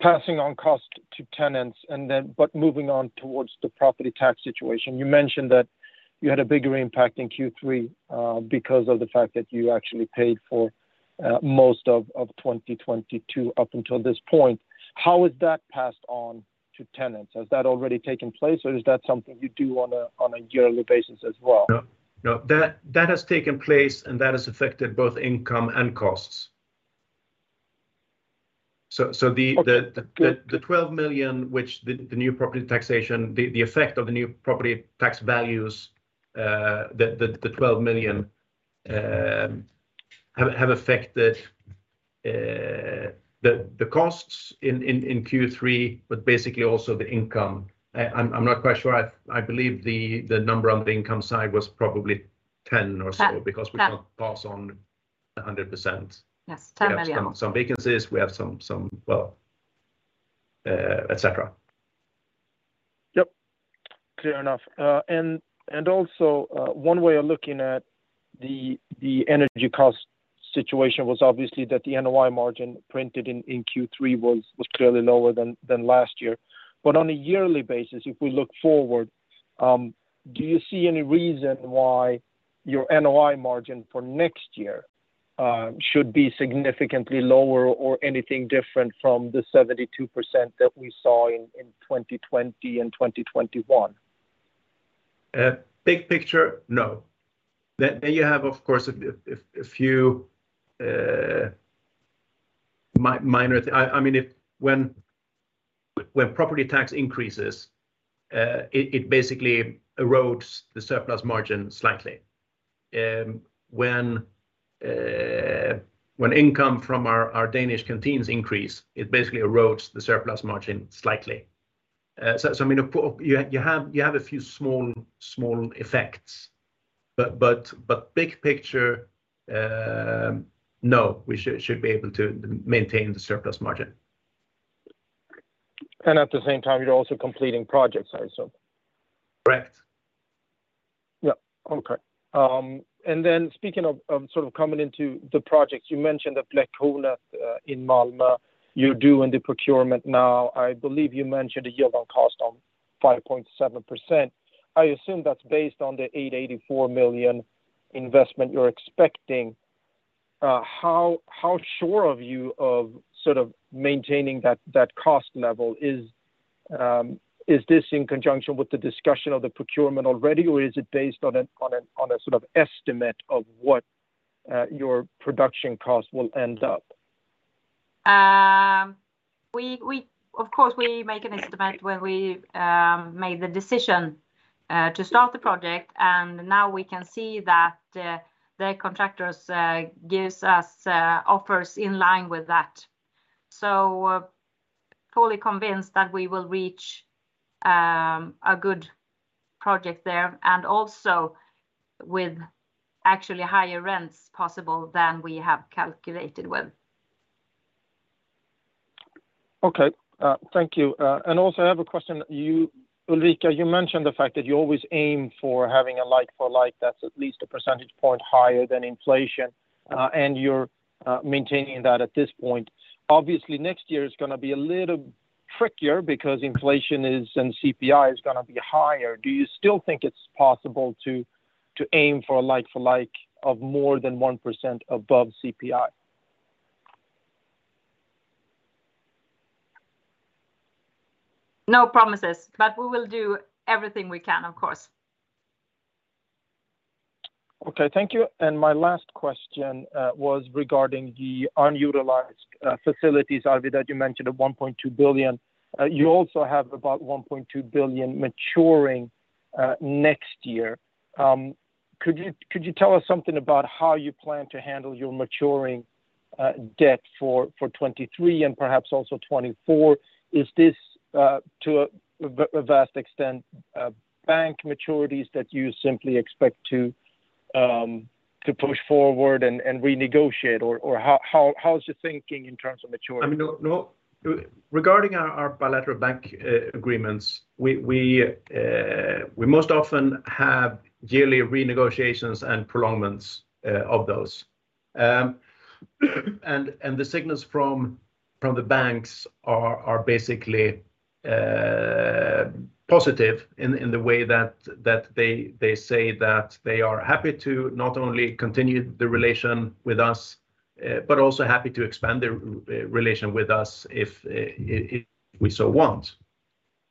passing on cost to tenants and then but moving on towards the property tax situation. You mentioned that you had a bigger impact in Q3 because of the fact that you actually paid for most of 2022 up until this point. How is that passed on to tenants? Has that already taken place, or is that something you do on a yearly basis as well? No. That has taken place, and that has affected both income and costs. Okay. Cool. The 12 million which the new property taxation, the effect of the new property tax values, the 12 million have affected the costs in Q3, but basically also the income. I'm not quite sure. I believe the number on the income side was probably 10 million or so. 10 million. Because we can't pass on 100%. Yes. 10 million. We have some vacancies. We have some, well, et cetera. Yep. Clear enough. One way of looking at the energy cost situation was obviously that the NOI margin printed in Q3 was clearly lower than last year. On a yearly basis, if we look forward, do you see any reason why your NOI margin for next year should be significantly lower or anything different from the 72% that we saw in 2020 and 2021? Big picture, no. I mean, when property tax increases, it basically erodes the surplus margin slightly. When income from our Danish canteens increase, it basically erodes the surplus margin slightly. I mean, of course, you have a few small effects. Big picture, no. We should be able to maintain the surplus margin. At the same time, you're also completing projects also. Correct. Yeah. Okay. Speaking of sort of coming into the projects, you mentioned the Blackholmen in Malmö. You're doing the procurement now. I believe you mentioned a yield on cost on 5.7%. I assume that's based on the 884 million investment you're expecting. How sure are you of sort of maintaining that cost level? Is this in conjunction with the discussion of the procurement already, or is it based on a sort of estimate of what your production cost will end up? Of course, we make an estimate when we made the decision to start the project. Now we can see that the contractors gives us offers in line with that. Fully convinced that we will reach a good project there, and also with actually higher rents possible than we have calculated with. Okay. Thank you. I have a question. You, Ulrika, mentioned the fact that you always aim for having a like-for-like that's at least a percentage point higher than inflation, and you're maintaining that at this point. Obviously, next year is gonna be a little trickier because inflation is, and CPI is gonna be higher. Do you still think it's possible to aim for a like-for-like of more than 1% above CPI? No promises, but we will do everything we can, of course. Okay. Thank you. My last question was regarding the unutilized facilities, Arvid, that you mentioned of 1.2 billion. You also have about 1.2 billion maturing next year. Could you tell us something about how you plan to handle your maturing debt for 2023 and perhaps also 2024? Is this to a vast extent bank maturities that you simply expect to push forward and renegotiate? Or how is your thinking in terms of maturity? I mean, no. Regarding our bilateral bank agreements, we most often have yearly renegotiations and prolongments of those. The signals from the banks are basically positive in the way that they say that they are happy to not only continue the relation with us, but also happy to expand their relation with us if we so want.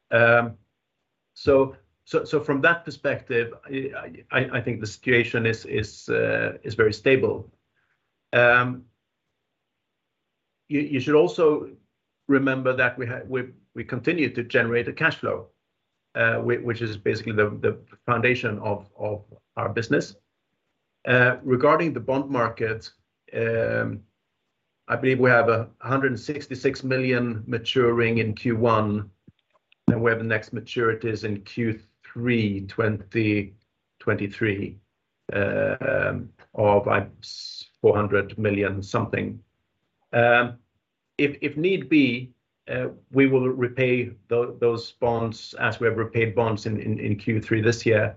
From that perspective, I think the situation is very stable. You should also remember that we continue to generate a cash flow, which is basically the foundation of our business. Regarding the bond market, I believe we have 166 million maturing in Q1, and we have the next maturities in Q3 2023 of SEK 400 million or something. If need be, we will repay those bonds as we have repaid bonds in Q3 this year.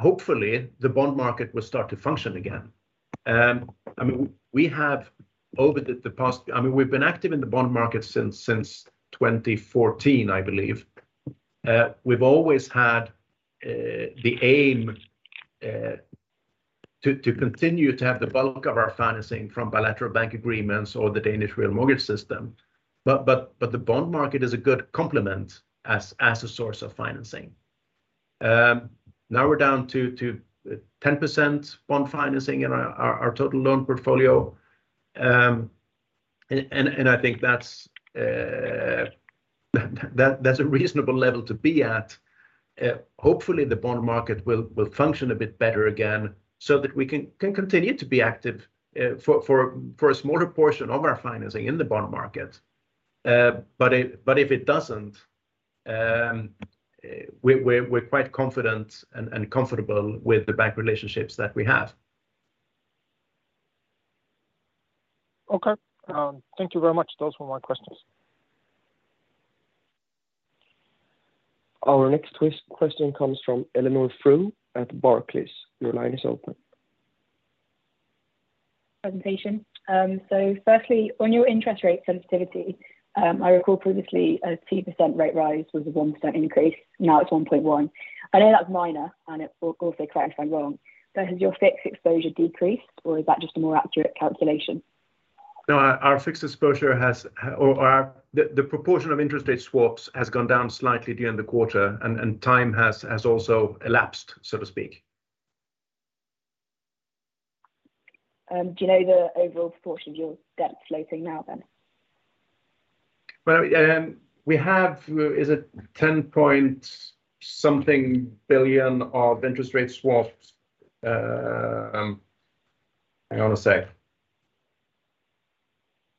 Hopefully, the bond market will start to function again. I mean, we've been active in the bond market since 2014, I believe. We've always had the aim to continue to have the bulk of our financing from bilateral bank agreements or the Danish mortgage system. But the bond market is a good complement as a source of financing. Now we're down to 10% bond financing in our total loan portfolio. I think that's a reasonable level to be at. Hopefully, the bond market will function a bit better again so that we can continue to be active for a smaller portion of our financing in the bond market. If it doesn't, we're quite confident and comfortable with the bank relationships that we have. Okay. Thank you very much. Those were my questions. Our next question comes from Eleanor Frew at Barclays. Your line is open. Presentation. Firstly, on your interest rate sensitivity, I recall previously a 2% rate rise was a 1% increase. Now it's 1.1%. I know that's minor, and of course correct me if I'm wrong. Has your fixed exposure decreased, or is that just a more accurate calculation? No, the proportion of interest rate swaps has gone down slightly during the quarter, and time has also elapsed, so to speak. Do you know the overall proportion of your debt floating now then? Well, we have, is it 10 point something billion of interest rate swaps? Hang on a sec.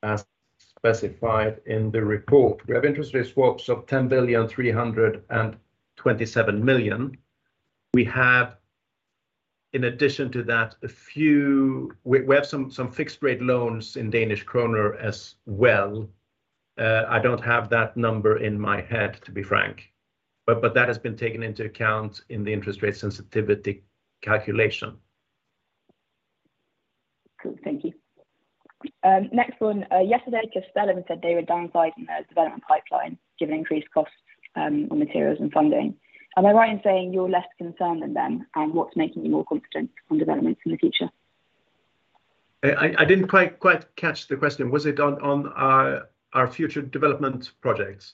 As specified in the report, we have interest rate swaps of 10.327 billion. We have, in addition to that, some fixed-rate loans in Danish kroner as well. I don't have that number in my head, to be frank, but that has been taken into account in the interest rate sensitivity calculation. Cool. Thank you. Next one. Yesterday, Castellum said they were downsizing their development pipeline, given increased costs on materials and funding. Am I right in saying you're less concerned than them, and what's making you more confident on developments in the future? I didn't quite catch the question. Was it on our future development projects?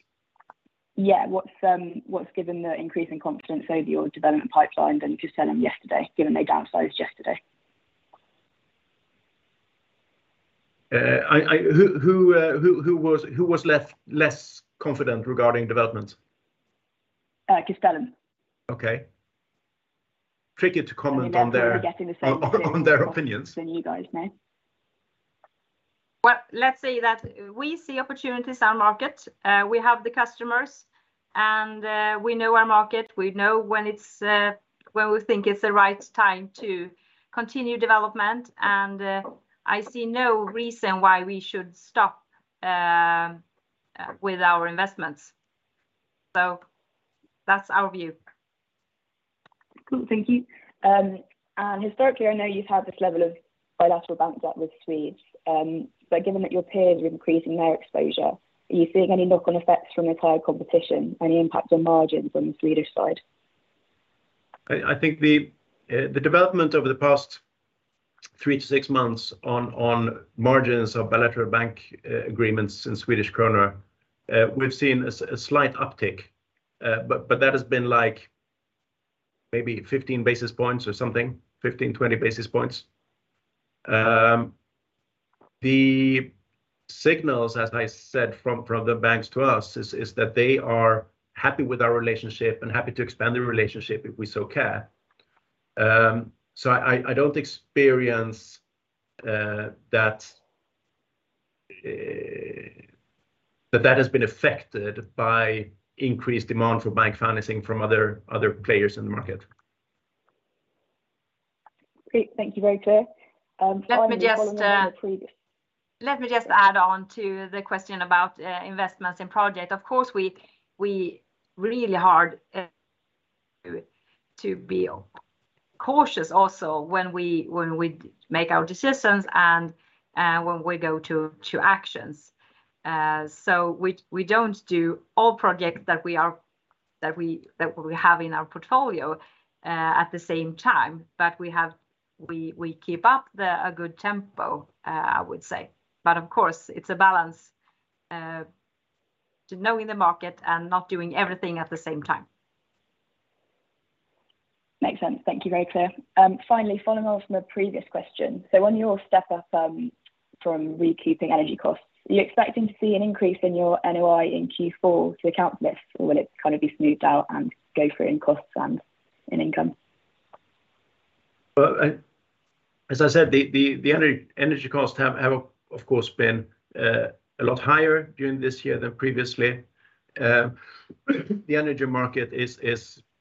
Yeah. What's given the increasing confidence over your development pipeline than Castellum yesterday, given they downsized yesterday? Who was less confident regarding development? Castellum. Okay. Tricky to comment on their opinions. I mean, they're probably getting the same questions than you guys now. Well, let's say that we see opportunities in our market. We have the customers, and we know our market. We know when we think it's the right time to continue development, and I see no reason why we should stop with our investments. That's our view. Cool. Thank you. Historically, I know you've had this level of bilateral bank debt with Swedes, but given that your peers are increasing their exposure, are you seeing any knock-on effects from your higher competition? Any impact on margins on the Swedish side? I think the development over the past three to six months on margins of bilateral bank agreements in Swedish krona, we've seen a slight uptick. That has been like maybe 15 basis points or something, 15-20 basis points. The signals, as I said, from the banks to us is that they are happy with our relationship and happy to expand the relationship if we so care. I don't experience that has been affected by increased demand for bank financing from other players in the market. Great. Thank you. Very clear. Finally, following on from the previous. Let me just add on to the question about investments in projects. Of course, we really hard to be cautious also when we make our decisions and when we go to actions. We don't do all projects that we have in our portfolio at the same time. We keep up a good tempo, I would say. Of course, it's a balance to knowing the market and not doing everything at the same time. Makes sense. Thank you. Very clear. Finally, following on from the previous question, so on your step-up, from recouping energy costs, are you expecting to see an increase in your NOI in Q4 to account for this, or will it kind of be smoothed out and go through in costs and in income? Well, as I said, energy costs have of course, been a lot higher during this year than previously. The energy market is,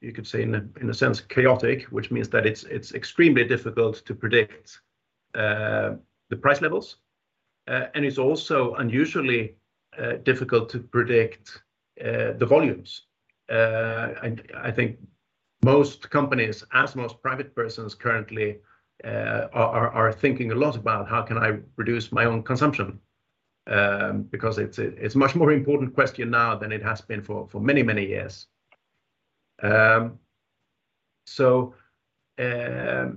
you could say, in a sense, chaotic, which means that it's extremely difficult to predict the price levels. It's also unusually difficult to predict the volumes. I think most companies, as most private persons currently, are thinking a lot about how can I reduce my own consumption. Because it's a much more important question now than it has been for many years. From that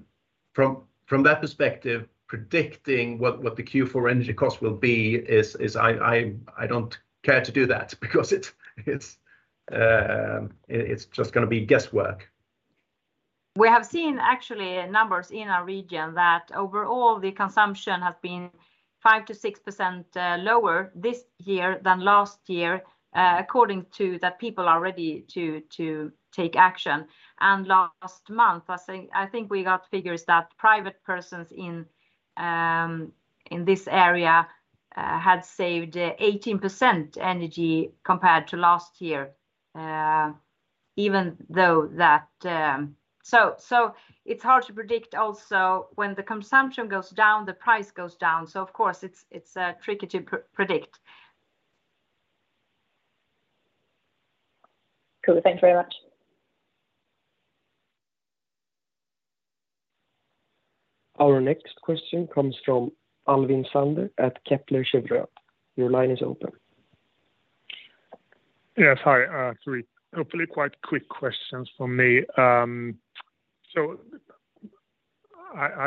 perspective, predicting what the Q4 energy costs will be is. I don't care to do that because it's just gonna be guesswork. We have seen actually numbers in our region that overall the consumption has been 5%-6% lower this year than last year, according to that people are ready to take action. Last month, I think we got figures that private persons in this area had saved 18% energy compared to last year, even though that. So it's hard to predict also when the consumption goes down, the price goes down. Of course it's tricky to predict. Cool. Thanks very much. Our next question comes from Albin Sandberg at Kepler Cheuvreux. Your line is open. Hi, three hopefully quite quick questions from me. I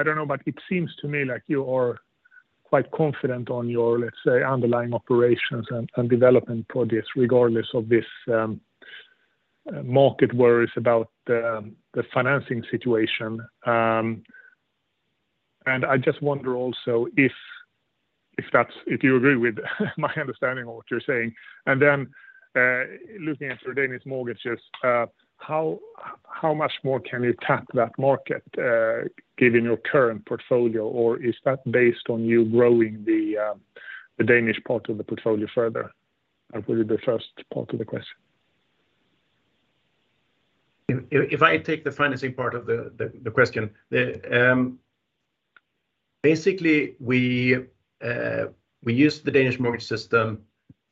don't know, but it seems to me like you are quite confident on your, let's say, underlying operations and development for this, regardless of this market worries about the financing situation. I just wonder also if you agree with my understanding of what you're saying. Looking at your Danish mortgages, how much more can you tap that market, given your current portfolio? Or is that based on you growing the Danish part of the portfolio further? That would be the first part of the question. If I take the financing part of the question. Basically we use the Danish mortgage system.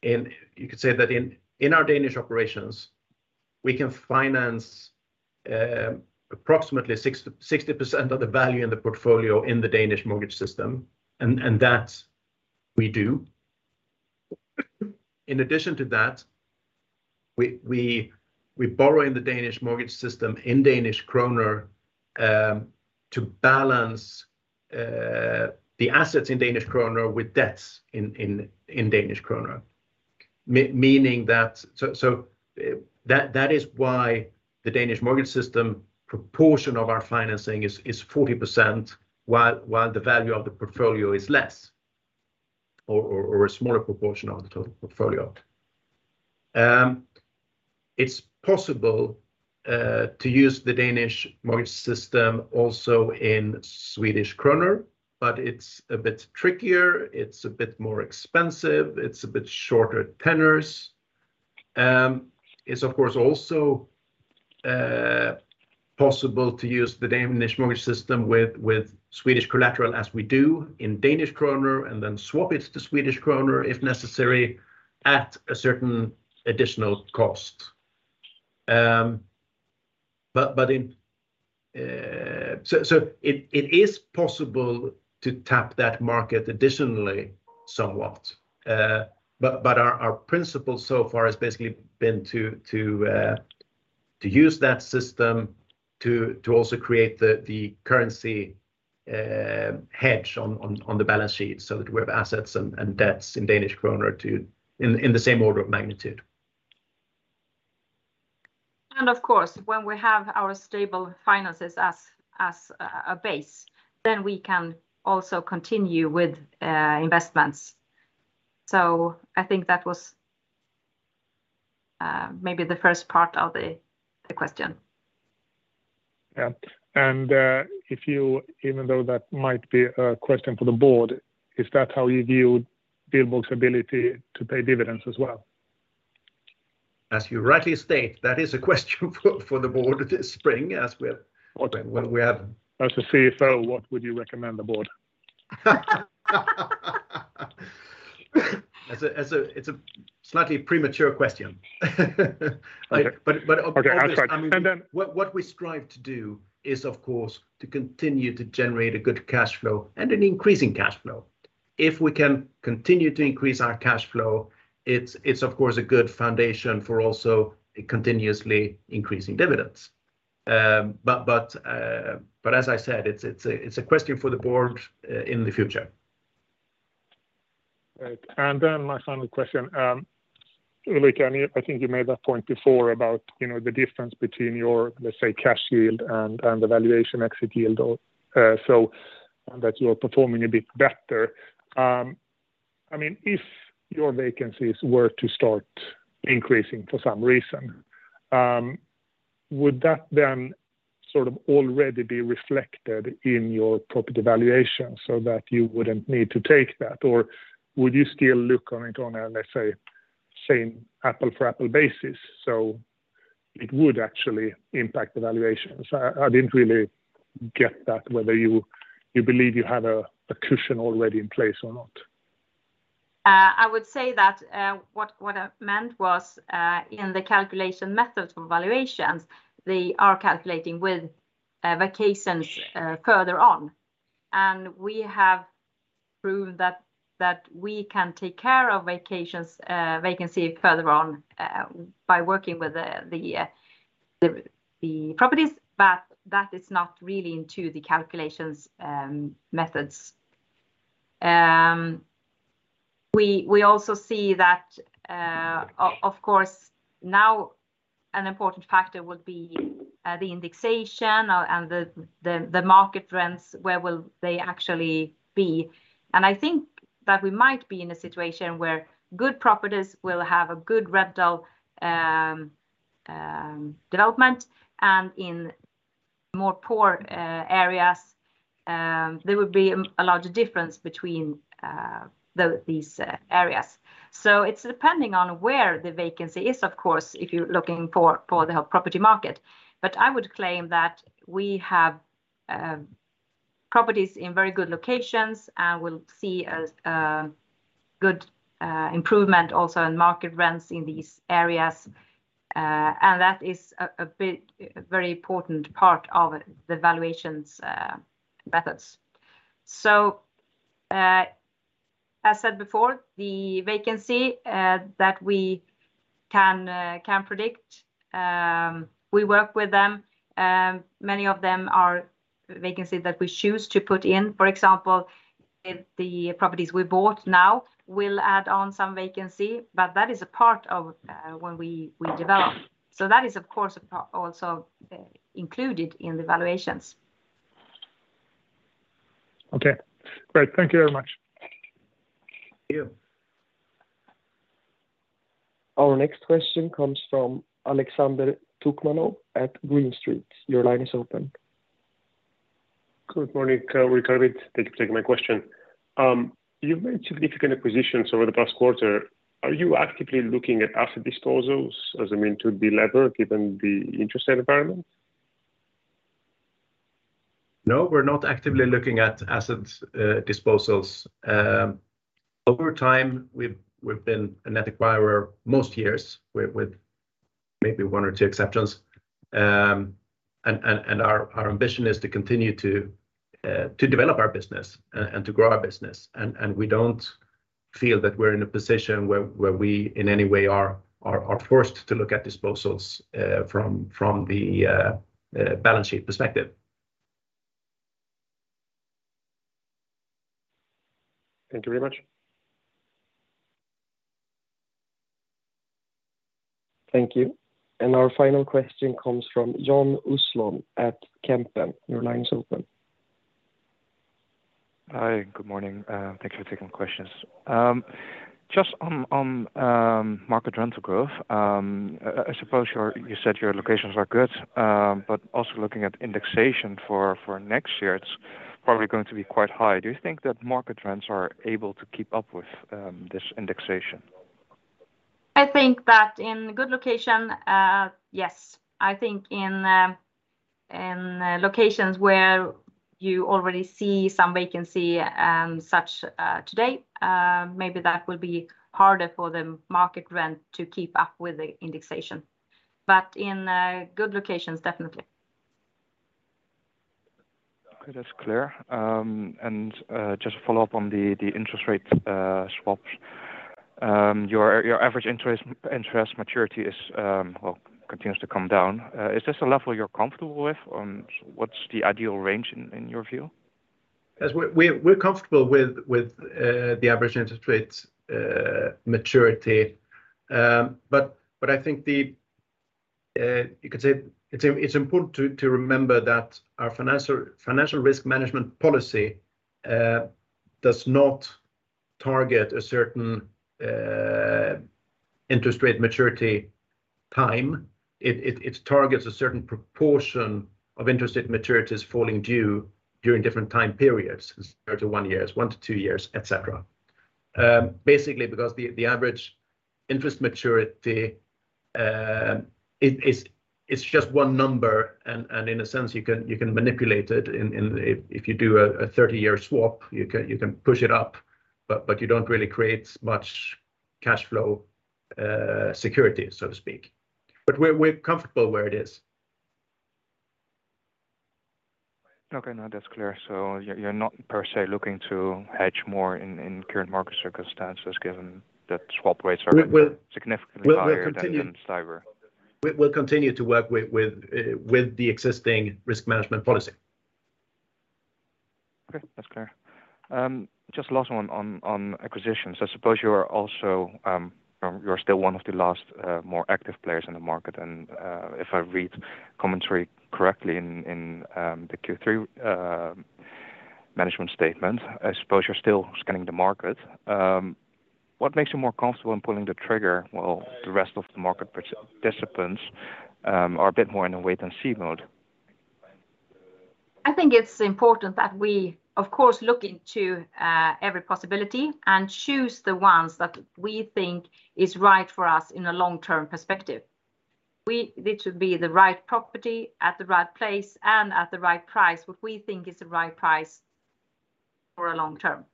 You could say that in our Danish operations, we can finance approximately 60% of the value in the portfolio in the Danish mortgage system, and that we do. In addition to that, we borrow in the Danish mortgage system in Danish krona to balance the assets in Danish krona with debts in Danish krone. Meaning that. So that is why the Danish mortgage system proportion of our financing is 40%, while the value of the portfolio is less, or a smaller proportion of the total portfolio. It's possible to use the Danish mortgage system also in Swedish krona, but it's a bit trickier, it's a bit more expensive, it's a bit shorter tenors. It's of course also possible to use the Danish mortgage system with Swedish collateral as we do in Danish krona, and then swap it to Swedish krona if necessary at a certain additional cost. It is possible to tap that market additionally somewhat. Our principle so far has basically been to use that system to also create the currency hedge on the balance sheet so that we have assets and debts in Danish krona in the same order of magnitude. Of course, when we have our stable finances as a base, then we can also continue with investments. I think that was maybe the first part of the question. Even though that might be a question for the board, is that how you view Wihlborgs ability to pay dividends as well? As you rightly state, that is a question for the board this spring as we're. Okay when we have. As the CFO, what would you recommend to the board? It's a slightly premature question. Okay. But, but obvious- Okay. I'll try. What we strive to do is, of course, to continue to generate a good cash flow and an increasing cash flow. If we can continue to increase our cash flow, it's of course a good foundation for also a continuously increasing dividends. As I said, it's a question for the board in the future. Right. My final question. Ulrika, I think you made that point before about, you know, the difference between your, let's say, cash yield and the valuation exit yield or, so that you're performing a bit better. I mean, if your vacancies were to start increasing for some reason, would that then sort of already be reflected in your property valuation so that you wouldn't need to take that? Or would you still look on it on a, let's say, same apples-to-apples basis so it would actually impact the valuations? I didn't really get that whether you believe you have a cushion already in place or not. I would say that what I meant was in the calculation methods for valuations, they are calculating with vacancies further on. We have proved that we can take care of vacancy further on by working with the properties, but that is not really into the calculation methods. We also see that of course now an important factor will be the indexation or and the market rents, where will they actually be. I think that we might be in a situation where good properties will have a good rental development, and in more poor areas there would be a larger difference between these areas. It's depending on where the vacancy is, of course, if you're looking for the whole property market. I would claim that we have properties in very good locations, and we'll see a good improvement also in market rents in these areas. That is a very important part of the valuations methods. As said before, the vacancy that we can predict we work with them. Many of them are vacancy that we choose to put in. For example, if the properties we bought now will add on some vacancy, but that is a part of when we develop. That is, of course, a part also included in the valuations. Okay. Great. Thank you very much. Thank you. Our next question comes from Alexander Totomanov at Green Street. Your line is open. Good morning. Thank you for taking my question. You've made significant acquisitions over the past quarter. Are you actively looking at asset disposals as a means to de-lever given the interest rate environment? No, we're not actively looking at assets, disposals. Over time, we've been a net acquirer most years with maybe one or two exceptions. Our ambition is to continue to develop our business and to grow our business. We don't feel that we're in a position where we, in any way, are forced to look at disposals from the balance sheet perspective. Thank you very much. Thank you. Our final question comes from John Uslon at Camden. Your line's open. Hi, good morning. Thanks for taking questions. Just on market rental growth, I suppose you said your locations are good, but also looking at indexation for next year, it's probably going to be quite high. Do you think that market rents are able to keep up with this indexation? I think that in good location, yes. I think in locations where you already see some vacancy and such today, maybe that will be harder for the market rent to keep up with the indexation. In good locations, definitely. Okay. That's clear. Just follow up on the interest rate swaps. Your average interest maturity continues to come down. Is this a level you're comfortable with, and what's the ideal range in your view? Yes. We're comfortable with the average interest rate maturity. I think you could say it's important to remember that our financial risk management policy does not target a certain interest rate maturity time. It targets a certain proportion of interest rate maturities falling due during different time periods. Zero to one years, one to two years, et cetera. Basically because the average interest maturity, it is just one number and in a sense you can manipulate it. If you do a 30-year swap, you can push it up, but you don't really create much cashflow security, so to speak. We're comfortable where it is. Okay. No, that's clear. You're not per se looking to hedge more in current market circumstances given that swap rates are. We, we- Significantly higher than STIBOR We'll continue to work with the existing risk management policy. Okay. That's clear. Just last one on acquisitions. I suppose you are also, you're still one of the last more active players in the market and if I read commentary correctly in the Q3 management statement, I suppose you're still scanning the market. What makes you more comfortable in pulling the trigger while the rest of the market participants are a bit more in a wait and see mode? I think it's important that we, of course, look into every possibility and choose the ones that we think is right for us in a long-term perspective. It should be the right property at the right place and at the right price. What we think is the right price for a long term.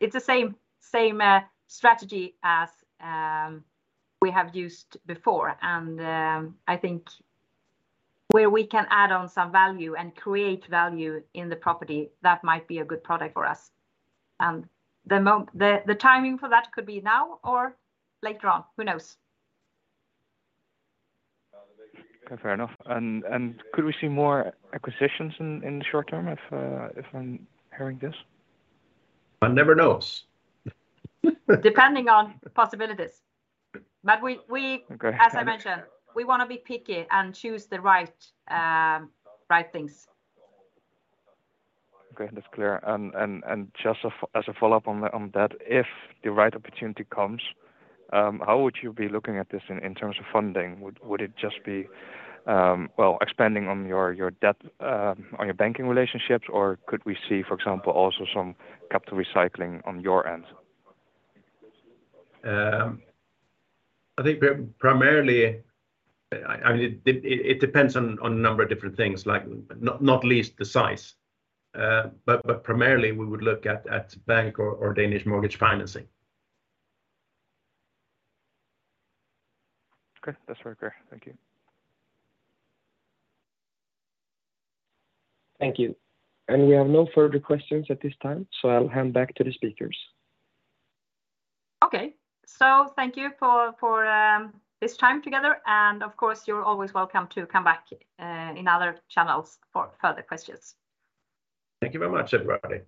It's the same strategy as we have used before and I think where we can add on some value and create value in the property, that might be a good product for us. The timing for that could be now or later on, who knows? Fair enough. Could we see more acquisitions in the short term if I'm hearing this? One never knows. Depending on possibilities. We Okay. As I mentioned, we wanna be picky and choose the right things. Okay. That's clear. Just as a follow-up on that, if the right opportunity comes, how would you be looking at this in terms of funding? Would it just be, well, expanding on your debt on your banking relationships? Or could we see, for example, also some capital recycling on your end? I think primarily. I mean, it depends on a number of different things like not least the size. But primarily we would look at bank or Danish mortgage financing. Okay. That's very clear. Thank you. Thank you. We have no further questions at this time, so I'll hand back to the speakers. Okay. Thank you for this time together, and of course, you're always welcome to come back in other channels for further questions. Thank you very much, everybody.